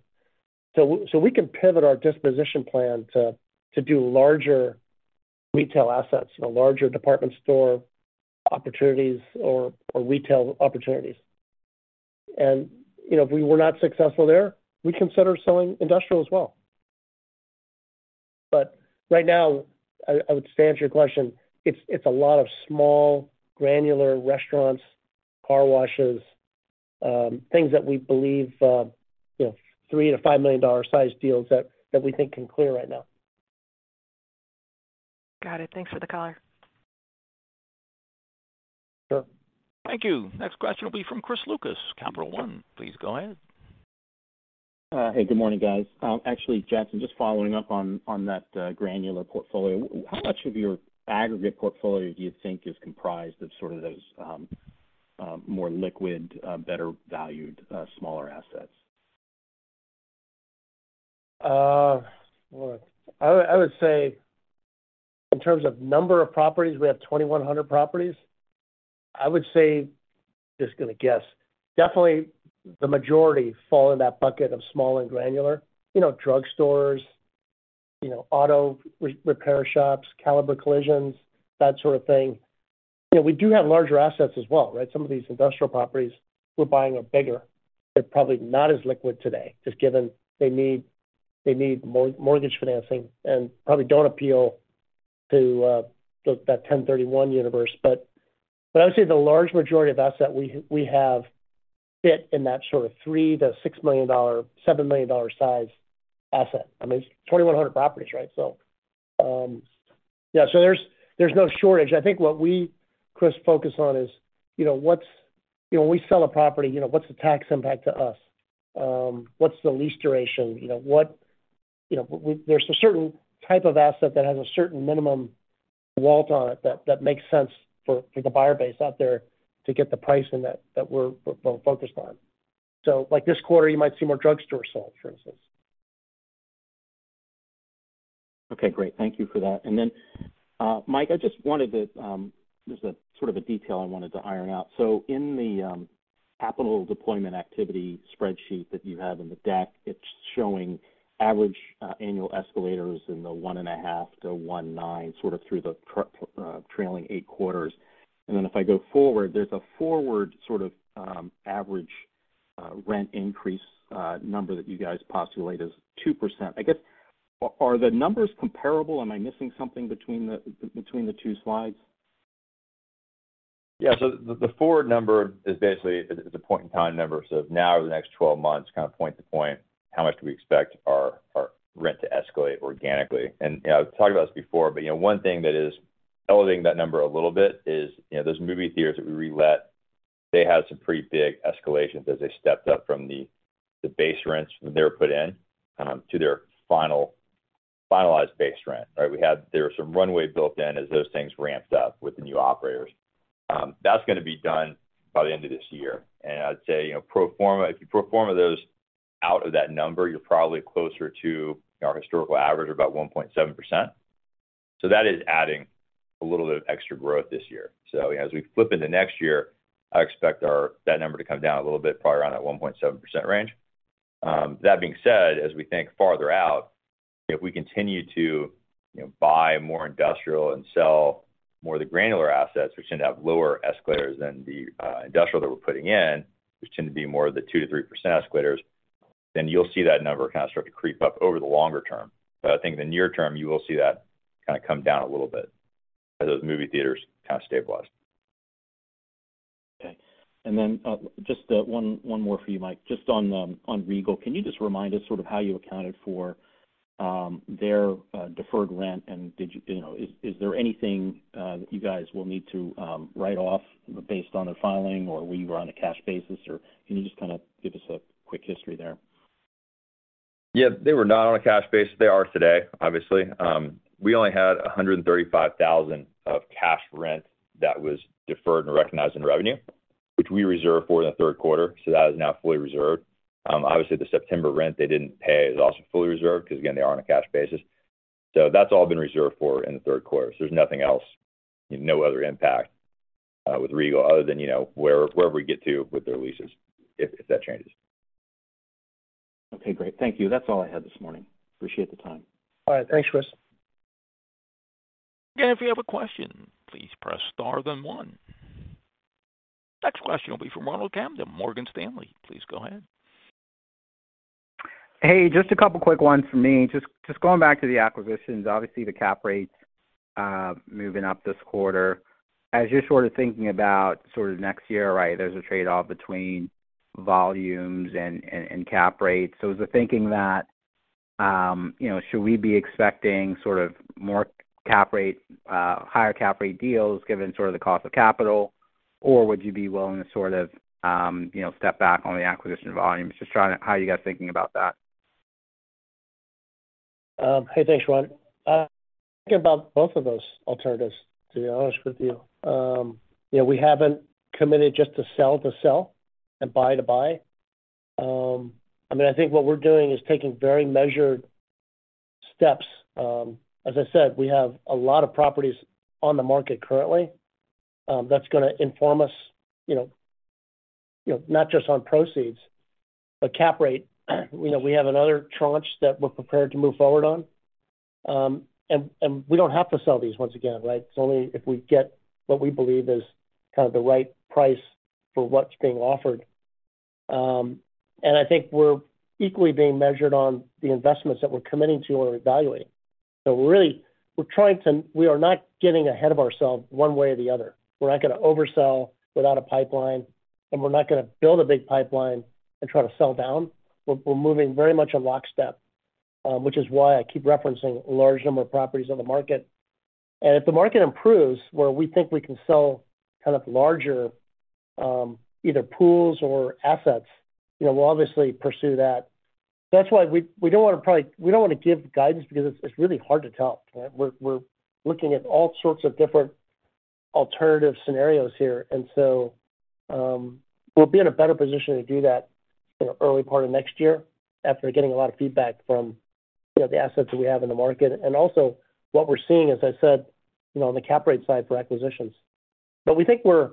We can pivot our disposition plan to do larger retail assets, you know, larger department store opportunities or retail opportunities. If we were not successful there, we'd consider selling industrial as well. Right now, I would say to answer your question, it's a lot of small granular restaurants, car washes, things that we believe, you know, $3 million-$5 million size deals that we think can clear right now. Got it. Thanks for the color. Sure. Thank you. Next question will be from Chris Lucas, Capital One. Please go ahead. Hey, good morning, guys. Actually, Jackson, just following up on that granular portfolio. How much of your aggregate portfolio do you think is comprised of sort of those more liquid, better valued, smaller assets? Well, I would say in terms of number of properties, we have 2,100 properties. I would say, just gonna guess, definitely the majority fall in that bucket of small and granular. You know, drugstores, you know, auto repair shops, Caliber Collision, that sort of thing. You know, we do have larger assets as well, right? Some of these industrial properties we're buying are bigger. They're probably not as liquid today, just given they need mortgage financing and probably don't appeal to the 1031 universe. I would say the large majority of assets we have fit in that sort of $3-$6 million, $7 million sized assets. I mean, it's 2,100 properties, right? Yeah, there's no shortage. I think what we, Chris, focus on is, you know, you know, when we sell a property, you know, what's the tax impact to us? What's the lease duration? You know, there's a certain type of asset that has a certain minimum wallet on it that makes sense for the buyer base out there to get the pricing that we're focused on. Like this quarter, you might see more drugstore sold, for instance. Okay, great. Thank you for that. Mike, I just wanted to, there's a sort of a detail I wanted to iron out. In the capital deployment activity spreadsheet that you have in the deck, it's showing average annual escalators in the 1.5-1.9 sort of through the trailing eight quarters. If I go forward, there's a forward sort of average rent increase number that you guys postulate is 2%. I guess, are the numbers comparable? Am I missing something between the two slides? Yeah. The forward number is basically a point in time number. Now or the next 12 months, kind of point to point, how much do we expect our rent to escalate organically? You know, I've talked about this before, but you know, one thing that is elevating that number a little bit is, you know, those movie theaters that we relet. They had some pretty big escalations as they stepped up from the base rents when they were put in to their final base rent, right? We had some runway built in as those things ramped up with the new operators. That's gonna be done by the end of this year. I'd say, you know, pro forma, if you pro forma those out of that number, you're probably closer to our historical average of about 1.7%. That is adding a little bit of extra growth this year. As we flip into next year, I expect that number to come down a little bit, probably around that 1.7% range. That being said, as we think farther out, if we continue to, you know, buy more industrial and sell more of the granular assets, which tend to have lower escalators than the industrial that we're putting in, which tend to be more of the 2%-3% escalators, then you'll see that number kind of start to creep up over the longer term. I think in the near term, you will see that kind of come down a little bit as those movie theaters kind of stabilize. Okay. Just one more for you, Mike. Just on Regal, can you just remind us sort of how you accounted for their deferred rent? Did you? You know, is there anything that you guys will need to write off based on their filing, or were you on a cash basis, or can you just kind of give us a quick history there? Yeah. They were not on a cash basis. They are today, obviously. We only had $135,000 of cash rent that was deferred and recognized in revenue, which we reserved for in the 3rd quarter. That is now fully reserved. Obviously, the September rent they didn't pay is also fully reserved because, again, they are on a cash basis. That's all been reserved for in the 3rd quarter. There's nothing else, no other impact, with Regal other than, you know, wherever we get to with their leases if that changes. Okay, great. Thank you. That's all I had this morning. Appreciate the time. All right. Thanks, Chris. Again, if you have a question, please press star then one. Next question will be from Ronald Kamdem, Morgan Stanley. Please go ahead. Hey, just a couple quick ones from me. Just going back to the acquisitions, obviously the cap rates moving up this quarter. As you're sort of thinking about sort of next year, right? There's a trade-off between volumes and cap rates. So is the thinking that you know, should we be expecting sort of more higher cap rate deals given sort of the cost of capital, or would you be willing to sort of you know, step back on the acquisition volume? Just trying to. How are you guys thinking about that? Hey, thanks, Ron. Thinking about both of those alternatives, to be honest with you. You know, we haven't committed just to sell and buy. I mean, I think what we're doing is taking very measured steps. As I said, we have a lot of properties on the market currently. That's gonna inform us, you know, not just on proceeds but cap rate. You know, we have another tranche that we're prepared to move forward on. And we don't have to sell these once again, right? It's only if we get what we believe is kind of the right price for what's being offered. And I think we're equally being measured on the investments that we're committing to or evaluating. Really we are not getting ahead of ourselves one way or the other. We're not gonna oversell without a pipeline, and we're not gonna build a big pipeline and try to sell down. We're moving very much in lockstep, which is why I keep referencing a large number of properties on the market. If the market improves where we think we can sell kind of larger either pools or assets, you know, we'll obviously pursue that. That's why we don't wanna give guidance because it's really hard to tell, right? We're looking at all sorts of different alternative scenarios here. We'll be in a better position to do that in the early part of next year after getting a lot of feedback from, you know, the assets that we have in the market. Also what we're seeing, as I said, you know, on the cap rate side for acquisitions. We think we're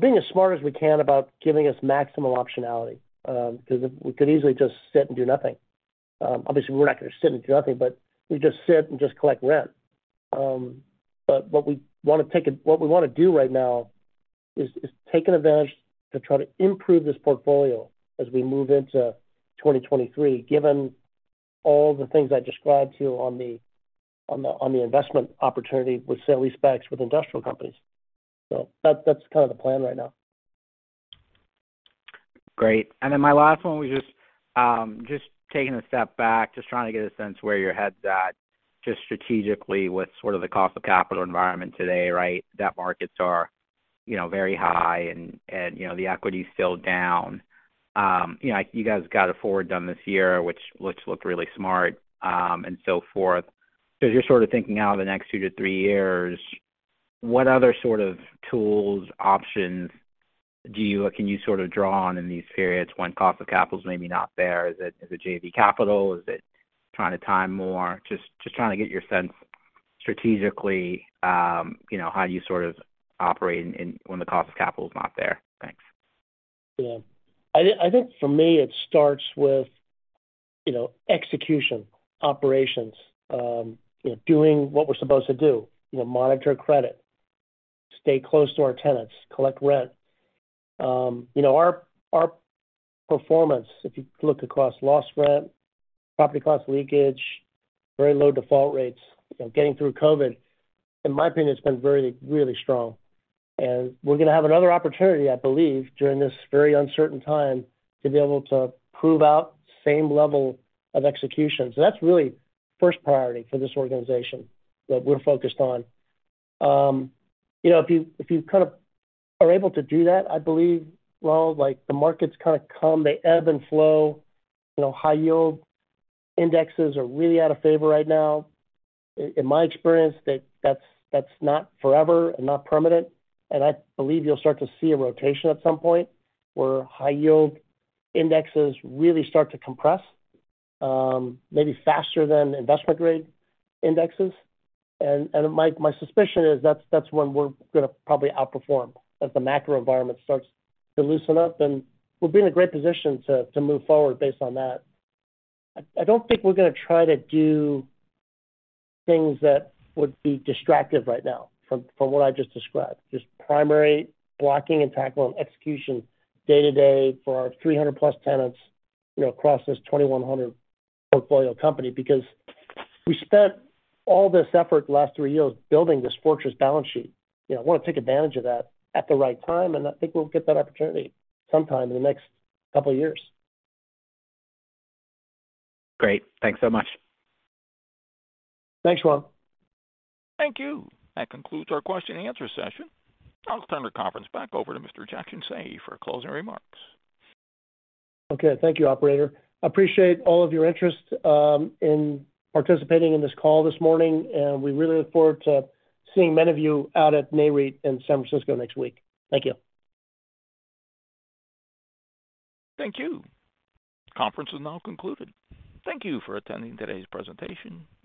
being as smart as we can about giving us maximum optionality, 'cause we could easily just sit and do nothing. Obviously we're not gonna sit and do nothing, but we just sit and just collect rent. What we wanna do right now is take an advantage to try to improve this portfolio as we move into 2023, given all the things I described to you on the investment opportunity with sale-leasebacks with industrial companies. That's kind of the plan right now. Great. Then my last one was just taking a step back, just trying to get a sense of where your head's at, just strategically with sort of the cost of capital environment today, right. That markets are, you know, very high and, you know, the equity is still down. You know, you guys got a forward done this year, which looked really smart, and so forth. As you're sort of thinking about the next 2-3 years, what other sort of tools, options or can you sort of draw on in these periods when cost of capital is maybe not there? Is it JV capital? Is it trying to time more? Just trying to get your sense strategically, you know, how do you sort of operate in, when the cost of capital is not there? Thanks. I think for me it starts with, you know, execution, operations, you know, doing what we're supposed to do. You know, monitor credit, stay close to our tenants, collect rent. You know, our performance, if you look across lost rent, property cost leakage, very low default rates, you know, getting through COVID, in my opinion, it's been very, really strong. We're gonna have another opportunity, I believe, during this very uncertain time, to be able to prove out same level of execution. That's really first priority for this organization that we're focused on. You know, if you kind of are able to do that, I believe, well, like the markets kind of come, they ebb and flow. You know, high yield indexes are really out of favor right now. In my experience, that's not forever and not permanent, and I believe you'll start to see a rotation at some point where high-yield indexes really start to compress, maybe faster than investment-grade indexes. My suspicion is that's when we're gonna probably outperform as the macro environment starts to loosen up, then we'll be in a great position to move forward based on that. I don't think we're gonna try to do things that would be distracting right now from what I just described, just primary blocking and tackling execution day-to-day for our 300+ tenants, you know, across this 2,100 portfolio company. Because we spent all this effort the last three years building this fortress balance sheet, you know, I wanna take advantage of that at the right time, and I think we'll get that opportunity sometime in the next couple of years. Great. Thanks so much. Thanks, Ron. Thank you. That concludes our question and answer session. I'll turn the conference back over to Mr. Jackson Hsieh for closing remarks. Okay. Thank you, operator. Appreciate all of your interest in participating in this call this morning, and we really look forward to seeing many of you out at NAREIT in San Francisco next week. Thank you. Thank you. Conference is now concluded. Thank you for attending today's presentation.